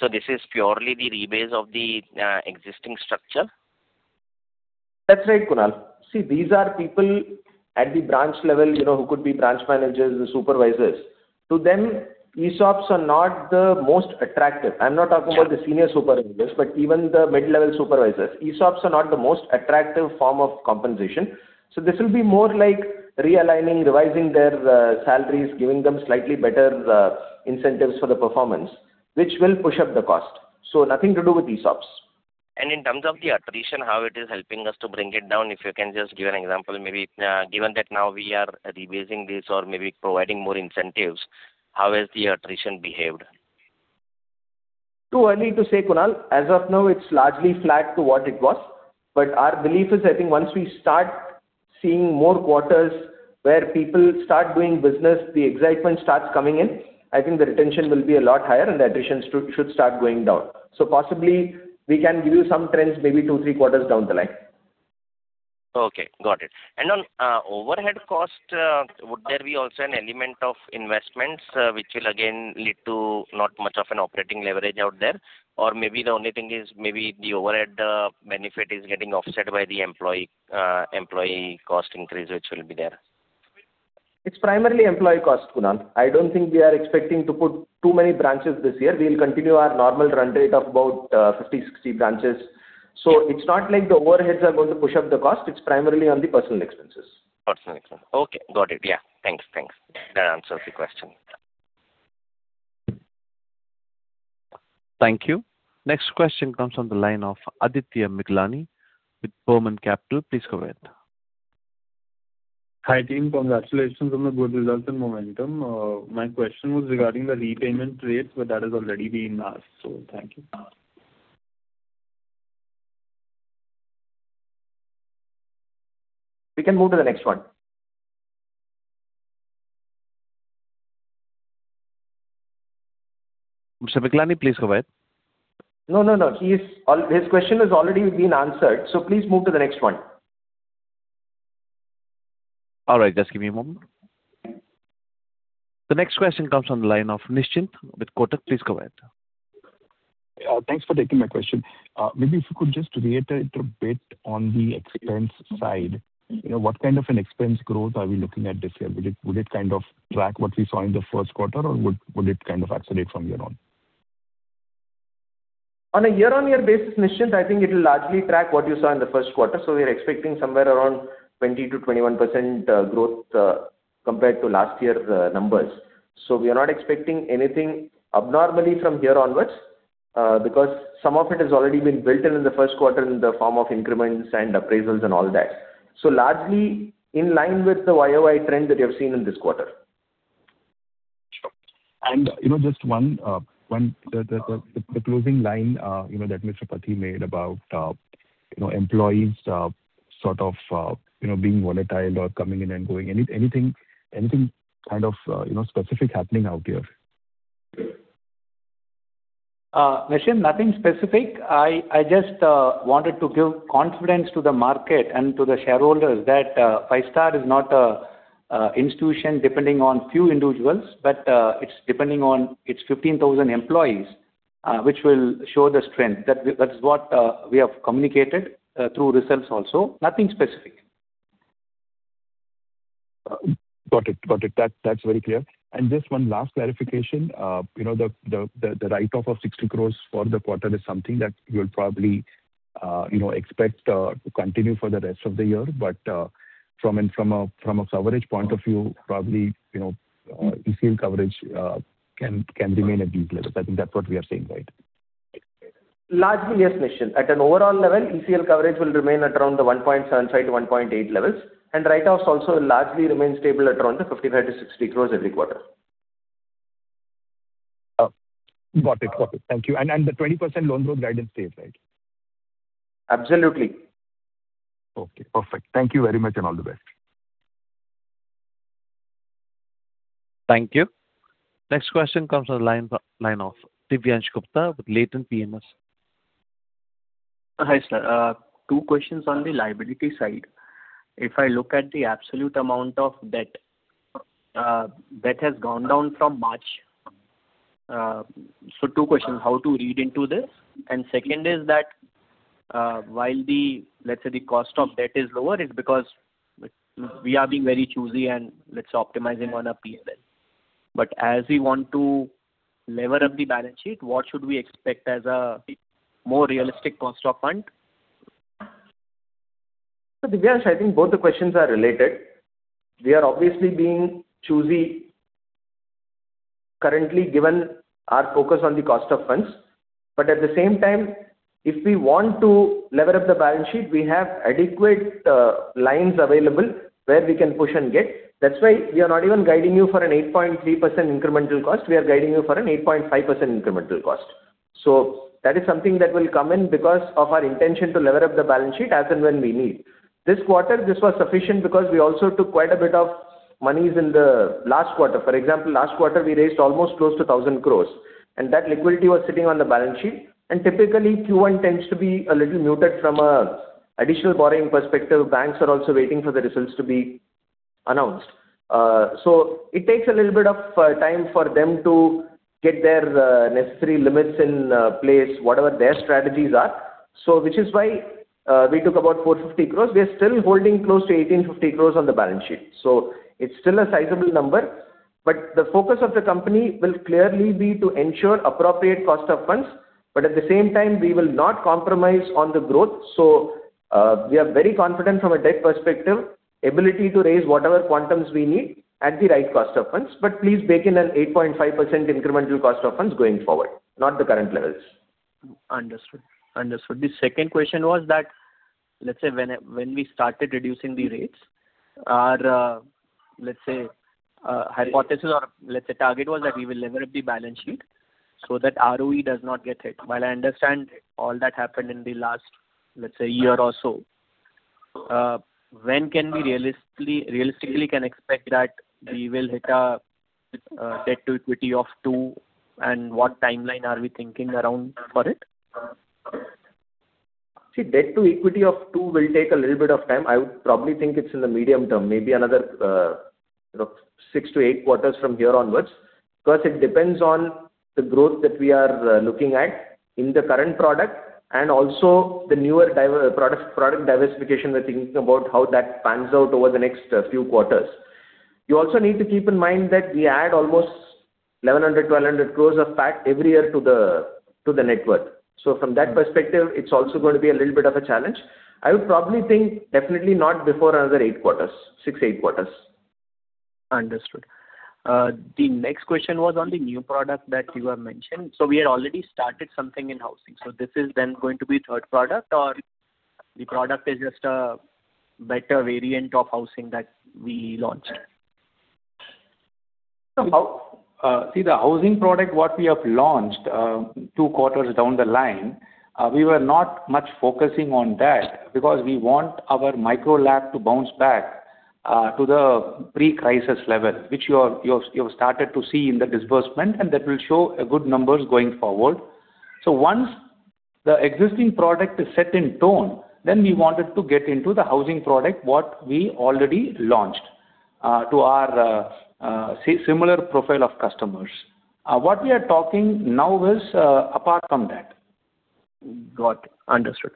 This is purely the rebase of the existing structure? That's right, Kunal. See, these are people at the branch level who could be branch managers or supervisors. To them, ESOPs are not the most attractive. I'm not talking about the senior supervisors, but even the mid-level supervisors. ESOPs are not the most attractive form of compensation. This will be more like realigning, revising their salaries, giving them slightly better incentives for the performance, which will push up the cost. Nothing to do with ESOPs. In terms of the attrition, how it is helping us to bring it down, if you can just give an example, maybe given that now we are rebasing this or maybe providing more incentives, how has the attrition behaved? Too early to say, Kunal. As of now, it's largely flat to what it was. Our belief is, I think once we start seeing more quarters where people start doing business, the excitement starts coming in. I think the retention will be a lot higher and the attrition should start going down. Possibly we can give you some trends maybe two, three quarters down the line. Okay, got it. On overhead cost, would there be also an element of investments which will again lead to not much of an operating leverage out there? Maybe the only thing is maybe the overhead benefit is getting offset by the employee cost increase which will be there. It's primarily employee cost, Kunal. I don't think we are expecting to put too many branches this year. We'll continue our normal run rate of about 50, 60 branches. It's not like the overheads are going to push up the cost. It's primarily on the personal expenses. Personal expense. Okay, got it. Yeah. Thanks. That answers the question. Thank you. Next question comes on the line of Aditya Miglani with Burman Capital. Please go ahead. Hi, team. Congratulations on the good results and momentum. My question was regarding the repayment rates. That has already been asked. Thank you. We can move to the next one. Mr. Miglani, please go ahead. No. His question has already been answered, please move to the next one. All right. Just give me a moment. The next question comes on the line of Nischint with Kotak. Please go ahead. Thanks for taking my question. Maybe if you could just reiterate a bit on the expense side. What kind of an expense growth are we looking at this year? Would it kind of track what we saw in the first quarter, or would it kind of accelerate from here on? On a year-on-year basis, Nischint, I think it'll largely track what you saw in the first quarter. We are expecting somewhere around 20%-21% growth compared to last year's numbers. We are not expecting anything abnormally from here onwards, because some of it has already been built in the first quarter in the form of increments and appraisals and all that. Largely in line with the YoY trend that you have seen in this quarter. Sure. Just one, the closing line that Mr. Pathy made about employees sort of being volatile or coming in and going. Anything kind of specific happening out there? Nischint, nothing specific. I just wanted to give confidence to the market and to the shareholders that Five-Star is not an institution depending on few individuals, but it's depending on its 15,000 employees, which will show the strength. That's what we have communicated through results also. Nothing specific. Got it. That's very clear. Just one last clarification. The write-off of 60 crores for the quarter is something that you'll probably expect to continue for the rest of the year. From a coverage point of view, probably ECL coverage can remain at these levels. I think that's what we are saying, right? Largely, yes, Nischint. At an overall level, ECL coverage will remain at around the 1.75%-1.8% levels, and write-offs also will largely remain stable at around the 55 crores-60 crores every quarter. Got it. Thank you. The 20% loan growth guidance stays, right? Absolutely. Okay, perfect. Thank you very much and all the best. Thank you. Next question comes on the line of Divyansh Gupta with Latent PMS. Hi, sir. Two questions on the liability side. If I look at the absolute amount of debt. Debt has gone down from March. Two questions. How to read into this? Second is that, while the, let's say, the cost of debt is lower, it's because we are being very choosy and let's optimize even on a PMS. As we want to lever up the balance sheet, what should we expect as a more realistic cost of fund? Divyansh, I think both the questions are related. We are obviously being choosy currently given our focus on the cost of funds. At the same time, if we want to lever up the balance sheet, we have adequate lines available where we can push and get. That's why we are not even guiding you for an 8.3% incremental cost, we are guiding you for an 8.5% incremental cost. That is something that will come in because of our intention to lever up the balance sheet as and when we need. This quarter, this was sufficient because we also took quite a bit of monies in the last quarter. For example, last quarter, we raised almost close to 1,000 crores, and that liquidity was sitting on the balance sheet. Typically, Q1 tends to be a little muted from an additional borrowing perspective. Banks are also waiting for the results to be announced. It takes a little bit of time for them to get their necessary limits in place, whatever their strategies are. Which is why we took about 450 crores. We are still holding close to 1,850 crores on the balance sheet. It's still a sizable number. The focus of the company will clearly be to ensure appropriate cost of funds. At the same time, we will not compromise on the growth. We are very confident from a debt perspective, ability to raise whatever quantums we need at the right cost of funds. Please bake in an 8.5% incremental cost of funds going forward, not the current levels. Understood. The second question was that, let's say when we started reducing the rates, our let's say hypothesis or let's say target was that we will lever up the balance sheet so that ROE does not get hit. While I understand all that happened in the last, let's say, year or so, when can we realistically expect that we will hit a debt-to-equity of 2x, and what timeline are we thinking around for it? See, debt-to-equity of 2x will take a little bit of time. I would probably think it's in the medium term, maybe another six to eight quarters from here onwards. Because it depends on the growth that we are looking at in the current product and also the newer product diversification we're thinking about how that pans out over the next few quarters. You also need to keep in mind that we add almost 1,100 crores, 1,200 crores of PAT every year to the network. From that perspective, it's also going to be a little bit of a challenge. I would probably think definitely not before another eight quarters. Six, eight quarters. Understood. The next question was on the new product that you have mentioned. We had already started something in housing. This is then going to be third product, or the product is just a better variant of housing that we launched? The housing product what we have launched two quarters down the line, we were not much focusing on that because we want our micro-LAP to bounce back to the pre-crisis level, which you have started to see in the disbursement, and that will show good numbers going forward. Once the existing product is set in tone, then we wanted to get into the housing product what we already launched to our similar profile of customers. What we are talking now is apart from that. Got it. Understood.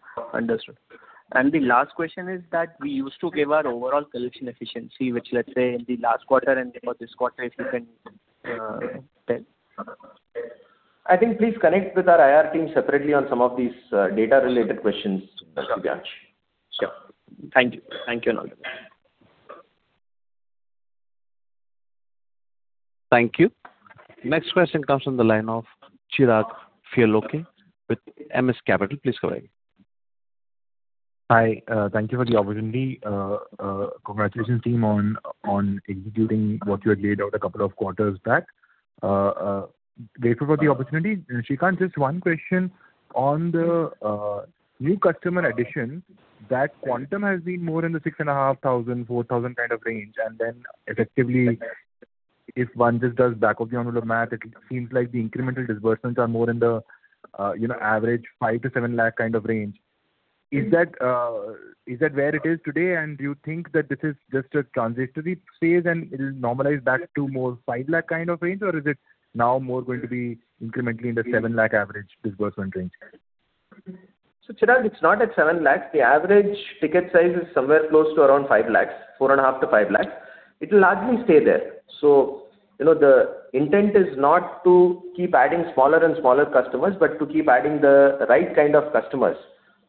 The last question is that we used to give our overall collection efficiency, which, let's say, in the last quarter and for this quarter, if you can tell. I think please connect with our IR team separately on some of these data-related questions, Divyansh. Sure. Thank you. Thanks a lot. Thank you. Next question comes from the line of Chirag Fialoke with MS Capital. Please go ahead. Hi. Thank you for the opportunity. Congratulations, team, on executing what you had laid out a couple of quarters back. Grateful for the opportunity. Srikanth, just one question. On the new customer addition, that quantum has been more in the 6,500, 4,000 kind of range. Then effectively, if one just does back of the envelope math, it seems like the incremental disbursements are more in the average 5 lakh-7 lakh kind of range. Is that where it is today? Do you think that this is just a transitory phase and it'll normalize back to more 5 lakh kind of range? Is it now more going to be incrementally in the 7 lakh average disbursement range? Chirag, it's not at 7 lakh. The average ticket size is somewhere close to around 5 lakh, 4.5 lakh-5 lakh. It will largely stay there. The intent is not to keep adding smaller and smaller customers, but to keep adding the right kind of customers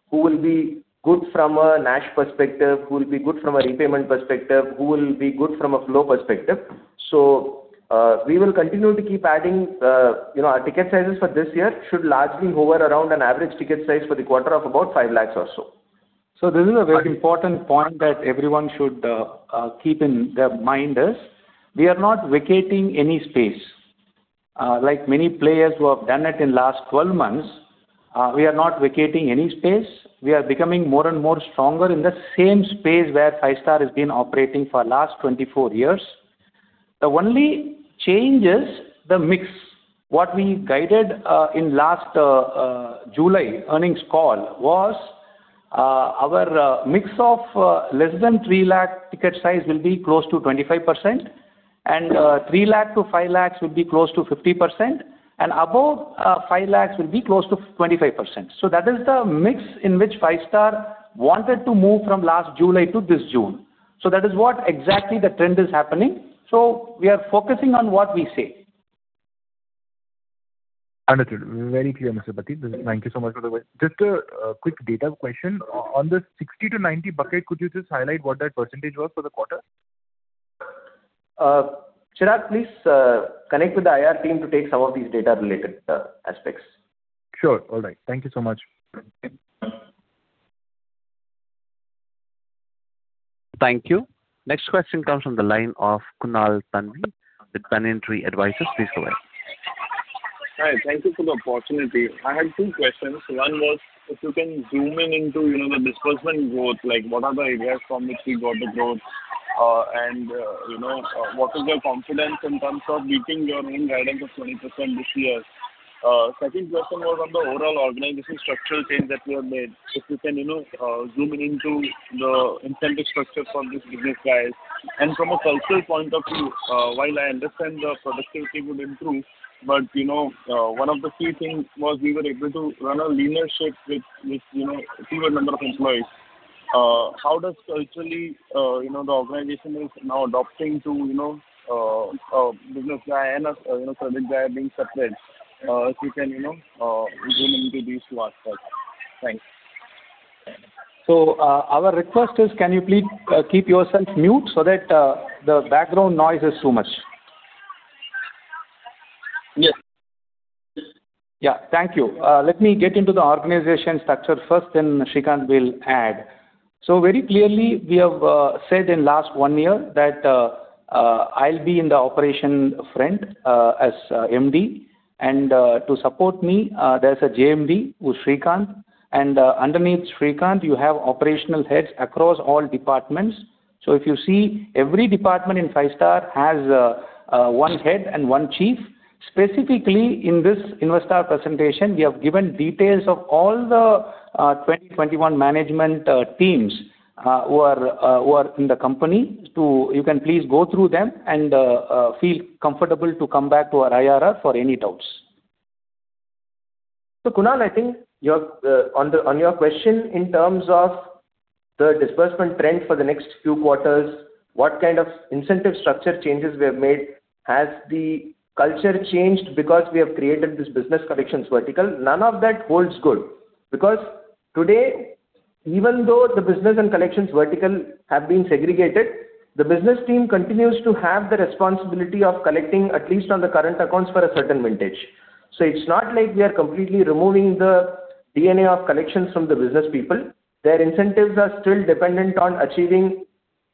who will be good from a Nash perspective, who will be good from a repayment perspective, who will be good from a flow perspective. We will continue to keep adding. Our ticket sizes for this year should largely hover around an average ticket size for the quarter of about 5 lakh or so. This is a very important point that everyone should keep in their mind is, we are not vacating any space. Like many players who have done it in last 12 months, we are not vacating any space. We are becoming more and more stronger in the same space where Five-Star has been operating for last 24 years. The only change is the mix. What we guided in last July earnings call was our mix of less than 3 lakh ticket size will be close to 25%, and 3 lakh to 5 lakhs will be close to 50%, and above 5 lakhs will be close to 25%. That is the mix in which Five-Star wanted to move from last July to this June. That is what exactly the trend is happening. We are focusing on what we say. Understood. Very clear, Mr. Pathy. Thank you so much for the work. Just a quick data question. On this 60-90 bucket, could you just highlight what that percentage was for the quarter? Chirag, please connect with the IR team to take some of these data-related aspects. Sure. All right. Thank you so much. Thank you. Next question comes from the line of Kunal Thanvi with Banyan Tree Advisors. Please go ahead. Hi. Thank you for the opportunity. I had two questions. One was, if you can zoom in into the disbursement growth, what are the areas from which we got the growth? What is your confidence in terms of beating your own guidance of 20% this year? Second question was on the overall organization structural change that you have made. If you can zoom in into the incentive structure from this business side and from a cultural point of view, while I understand the productivity would improve, one of the key things was we were able to run a linear ship with fewer number of employees. How does culturally the organization is now adapting to business guy and a credit guy being separate? If you can zoom into these two aspects. Thanks. Our request is, can you please keep yourself mute so that the background noise is too much. Yes. Thank you. Let me get into the organization structure first, Srikanth will add. Very clearly, we have said in last one year that I'll be in the operation front as MD, and to support me, there's a JMD, who's Srikanth. Underneath Srikanth, you have operational heads across all departments. If you see, every department in Five-Star has one head and one chief. Specifically, in this investor presentation, we have given details of all the 2021 management teams who are in the company. You can please go through them and feel comfortable to come back to our IRR for any doubts. Kunal, I think on your question in terms of the disbursement trend for the next few quarters, what kind of incentive structure changes we have made, has the culture changed because we have created this business collections vertical? None of that holds good because today, even though the business and collections vertical have been segregated, the business team continues to have the responsibility of collecting at least on the current accounts for a certain vintage. It's not like we are completely removing the DNA of collections from the business people. Their incentives are still dependent on achieving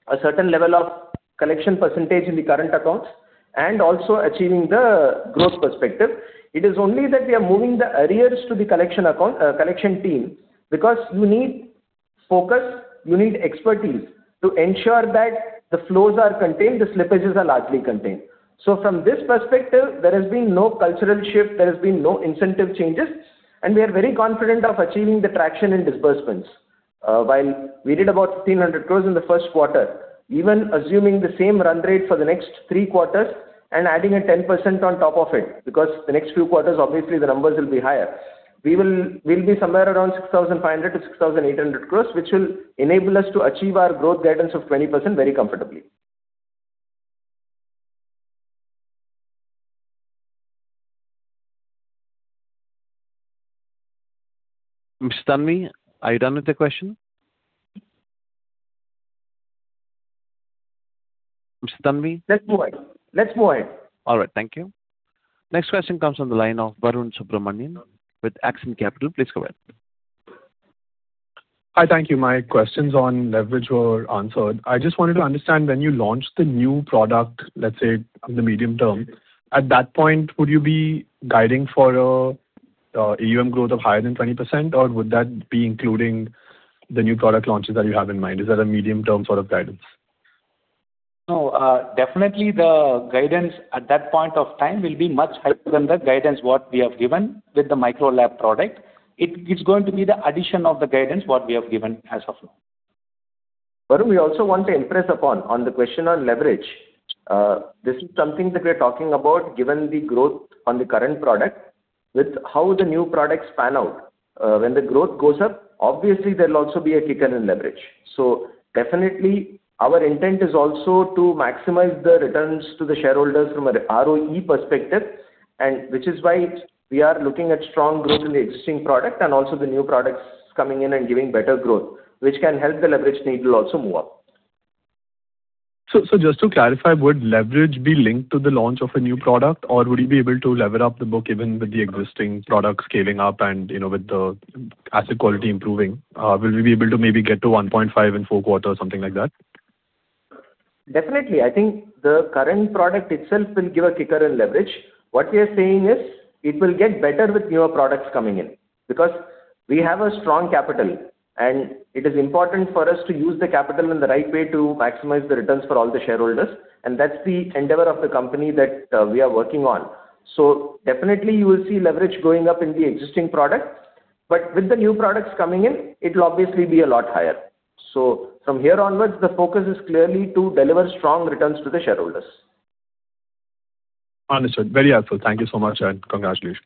a certain level of collection percentage in the current accounts and also achieving the growth perspective. It is only that we are moving the arrears to the collection team because you need focus, you need expertise to ensure that the flows are contained, the slippages are largely contained. From this perspective, there has been no cultural shift, there has been no incentive changes, and we are very confident of achieving the traction in disbursements. While we did about 1,500 crore in the first quarter, even assuming the same run rate for the next three quarters and adding a 10% on top of it, because the next few quarters, obviously, the numbers will be higher. We'll be somewhere around 6,500 crore-6,800 crore, which will enable us to achieve our growth guidance of 20% very comfortably. Mr. Thanvi, are you done with the question? Mr. Thanvi? Let's move ahead. All right. Thank you. Next question comes on the line of Varun Subramanian with Ascent Capital. Please go ahead. Hi. Thank you. My questions on leverage were answered. I just wanted to understand when you launch the new product, let's say in the medium term, at that point, would you be guiding for a AUM growth of higher than 20% or would that be including the new product launches that you have in mind? Is that a medium-term sort of guidance? Definitely the guidance at that point of time will be much higher than the guidance what we have given with the micro-LAP product. It's going to be the addition of the guidance what we have given as of now. Varun, we also want to impress upon on the question on leverage. This is something that we're talking about given the growth on the current product with how the new products pan out. When the growth goes up, obviously, there'll also be a kicker in leverage. Definitely our intent is also to maximize the returns to the shareholders from an ROE perspective, and which is why we are looking at strong growth in the existing product and also the new products coming in and giving better growth, which can help the leverage needle also move up. Just to clarify, would leverage be linked to the launch of a new product, or would you be able to lever up the book even with the existing product scaling up and with the asset quality improving? Will we be able to maybe get to 1.5x in four quarters, something like that? Definitely. I think the current product itself will give a kicker in leverage. What we are saying is it will get better with newer products coming in because we have a strong capital, and it is important for us to use the capital in the right way to maximize the returns for all the shareholders, and that's the endeavor of the company that we are working on. Definitely you will see leverage going up in the existing product, but with the new products coming in, it will obviously be a lot higher. From here onwards, the focus is clearly to deliver strong returns to the shareholders. Understood. Very helpful. Thank you so much. Congratulations.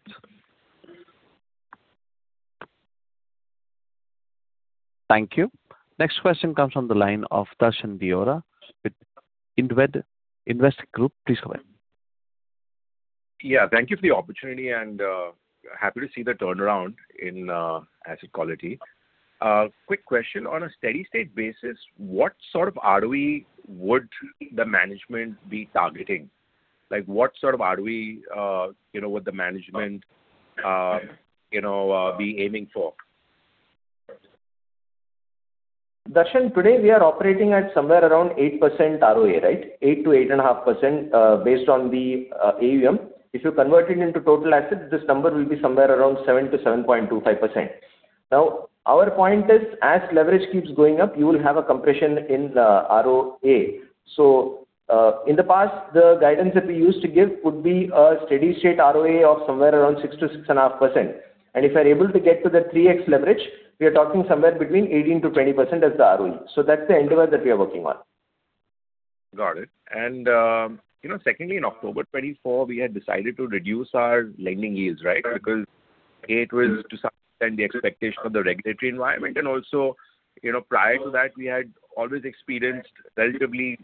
Thank you. Next question comes on the line of Darshan Deora with Indvest Group. Please go ahead. Yeah, thank you for the opportunity and happy to see the turnaround in asset quality. Quick question. On a steady-state basis, what sort of ROE would the management be targeting? What sort of ROE would the management be aiming for? Darshan, today we are operating at somewhere around 8% ROE, right? 8%-8.5% based on the AUM. If you convert it into total assets, this number will be somewhere around 7%-7.25%. Our point is, as leverage keeps going up, you will have a compression in the ROA. In the past, the guidance that we used to give would be a steady-state ROE of somewhere around 6%-6.5%. If we are able to get to the 3x leverage, we are talking somewhere between 18%-20% as the ROE. That's the end goal that we are working on. Got it. Secondly, in October 2024, we had decided to reduce our lending yields, right? Because it was to some extent the expectation of the regulatory environment. Also, prior to that, we had always experienced relatively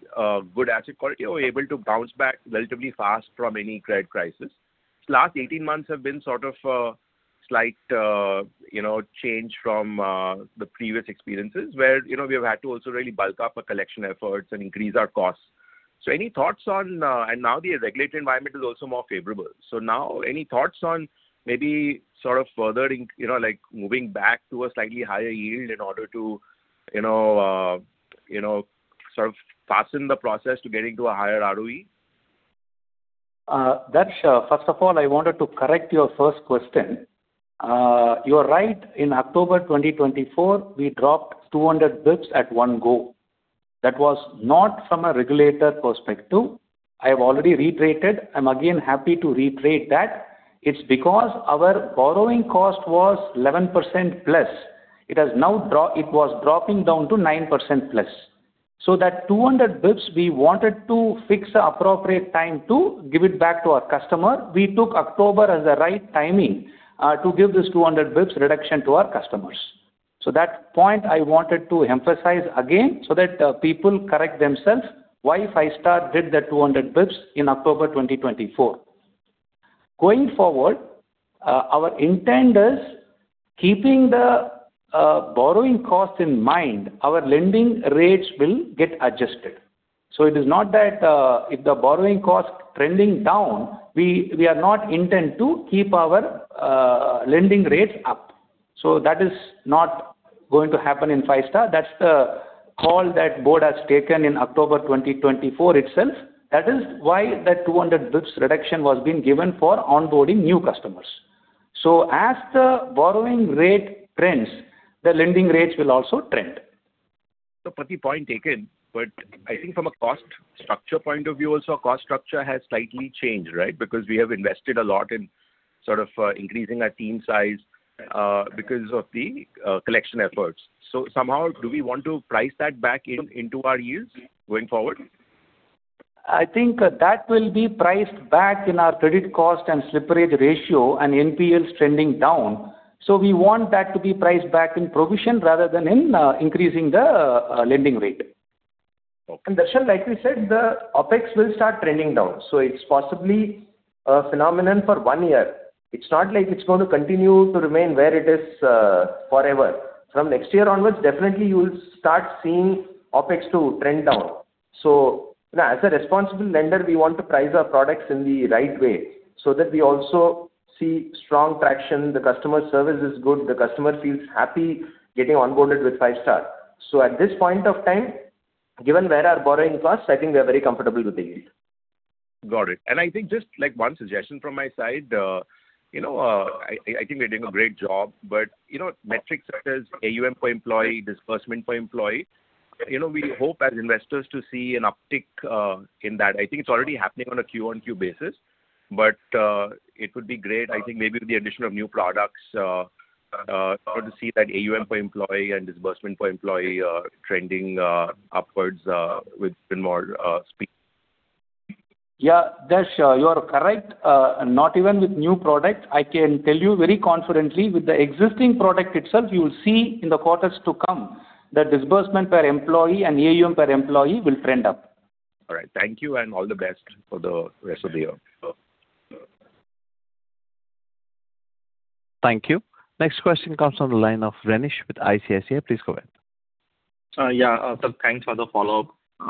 good asset quality or able to bounce back relatively fast from any credit crisis. Last 18 months have been sort of a slight change from the previous experiences where we have had to also really bulk up our collection efforts and increase our costs. Now the regulatory environment is also more favorable. Now any thoughts on maybe sort of moving back to a slightly higher yield in order to fasten the process to getting to a higher ROE? Darshan, first of all, I wanted to correct your first question. You are right. In October 2024, we dropped 200 basis points at one go. That was not from a regulator perspective. I have already reiterated. I am again happy to reiterate that it's because our borrowing cost was 11%+. It was dropping down to 9%+. That 200 basis points, we wanted to fix the appropriate time to give it back to our customer. We took October as the right timing to give this 200 basis points reduction to our customers. That point I wanted to emphasize again so that people correct themselves why Five-Star did that 200 basis points in October 2024. Going forward, our intent is keeping the borrowing cost in mind, our lending rates will get adjusted. It is not that if the borrowing cost trending down, we are not intend to keep our lending rates up. That is not going to happen in Five-Star. That's the call that board has taken in October 2024 itself. That is why that 200 bps reduction was being given for onboarding new customers. As the borrowing rate trends, the lending rates will also trend. Pathy, point taken, but I think from a cost structure point of view also, cost structure has slightly changed, right? We have invested a lot in sort of increasing our team size because of the collection efforts. Somehow, do we want to price that back into our yields going forward? I think that will be priced back in our credit cost and slippage ratio and NPLs trending down. We want that to be priced back in provision rather than in increasing the lending rate. Darshan, like we said, the OpEx will start trending down. It's possibly a phenomenon for one year. It's not like it's going to continue to remain where it is forever. From next year onwards, definitely you will start seeing OpEx to trend down. As a responsible lender, we want to price our products in the right way so that we also see strong traction, the customer service is good, the customer feels happy getting onboarded with Five-Star. At this point of time, given where our borrowing costs, I think we are very comfortable with the yield. Got it. I think just one suggestion from my side. I think we're doing a great job, but metrics such as AUM per employee, disbursement per employee, we hope as investors to see an uptick in that. I think it's already happening on a Q-on-Q basis, but it would be great, I think maybe with the addition of new products to see that AUM per employee and disbursement per employee are trending upwards with even more speed. Darshan, you are correct. Not even with new product. I can tell you very confidently with the existing product itself, you will see in the quarters to come that disbursement per employee and AUM per employee will trend up. All right. Thank you and all the best for the rest of the year. Thank you. Next question comes on the line of Renish with ICICI. Please go ahead. Sir, thanks for the follow-up.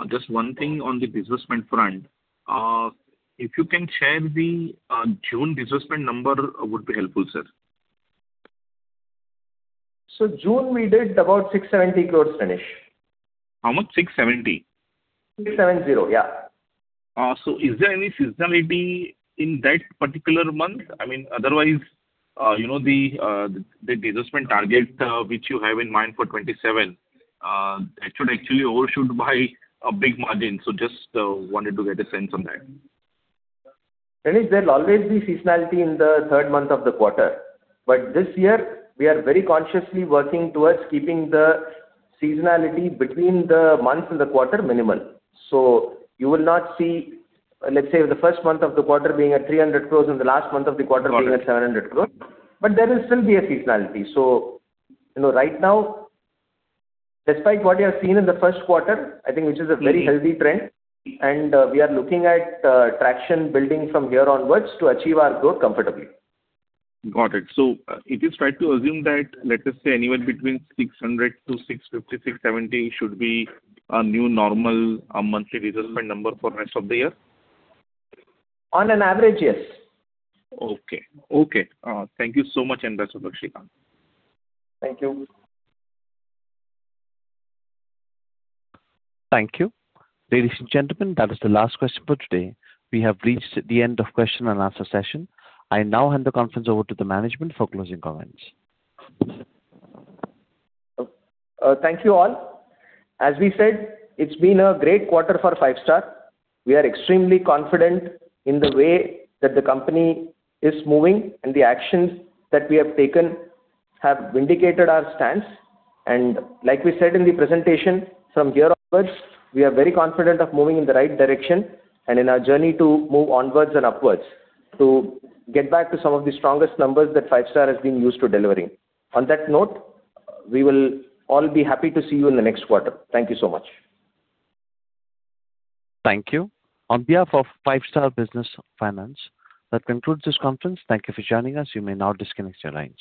Just one thing on the disbursement front. If you can share the June disbursement number would be helpful, sir. June we did about 670 crores, Renish. How much? 670 crores? 670 crores, yeah. Is there any seasonality in that particular month? Otherwise, the disbursement target which you have in mind for FY 2027, that should actually overshoot by a big margin. Just wanted to get a sense on that. Renish, there'll always be seasonality in the third month of the quarter. This year, we are very consciously working towards keeping the seasonality between the months and the quarter minimal. You will not see, let's say, the first month of the quarter being at 300 crores and the last month of the quarter being at 700 crores. There will still be a seasonality. Right now, despite what you have seen in the first quarter, I think which is a very healthy trend, and we are looking at traction building from here onwards to achieve our growth comfortably. Got it. It is right to assume that, let us say, anywhere between 600 crores-650 crores, 670 crores should be a new normal monthly disbursement number for rest of the year? On an average, yes. Okay. Thank you so much and best of luck, Srikanth. Thank you. Thank you. Ladies and gentlemen, that is the last question for today. We have reached the end of question and answer session. I now hand the conference over to the management for closing comments. Thank you all. As we said, it's been a great quarter for Five-Star. We are extremely confident in the way that the company is moving and the actions that we have taken have vindicated our stance. Like we said in the presentation, from here onwards, we are very confident of moving in the right direction and in our journey to move onwards and upwards to get back to some of the strongest numbers that Five-Star has been used to delivering. On that note, we will all be happy to see you in the next quarter. Thank you so much. Thank you. On behalf of Five-Star Business Finance, that concludes this conference. Thank you for joining us. You may now disconnect your lines.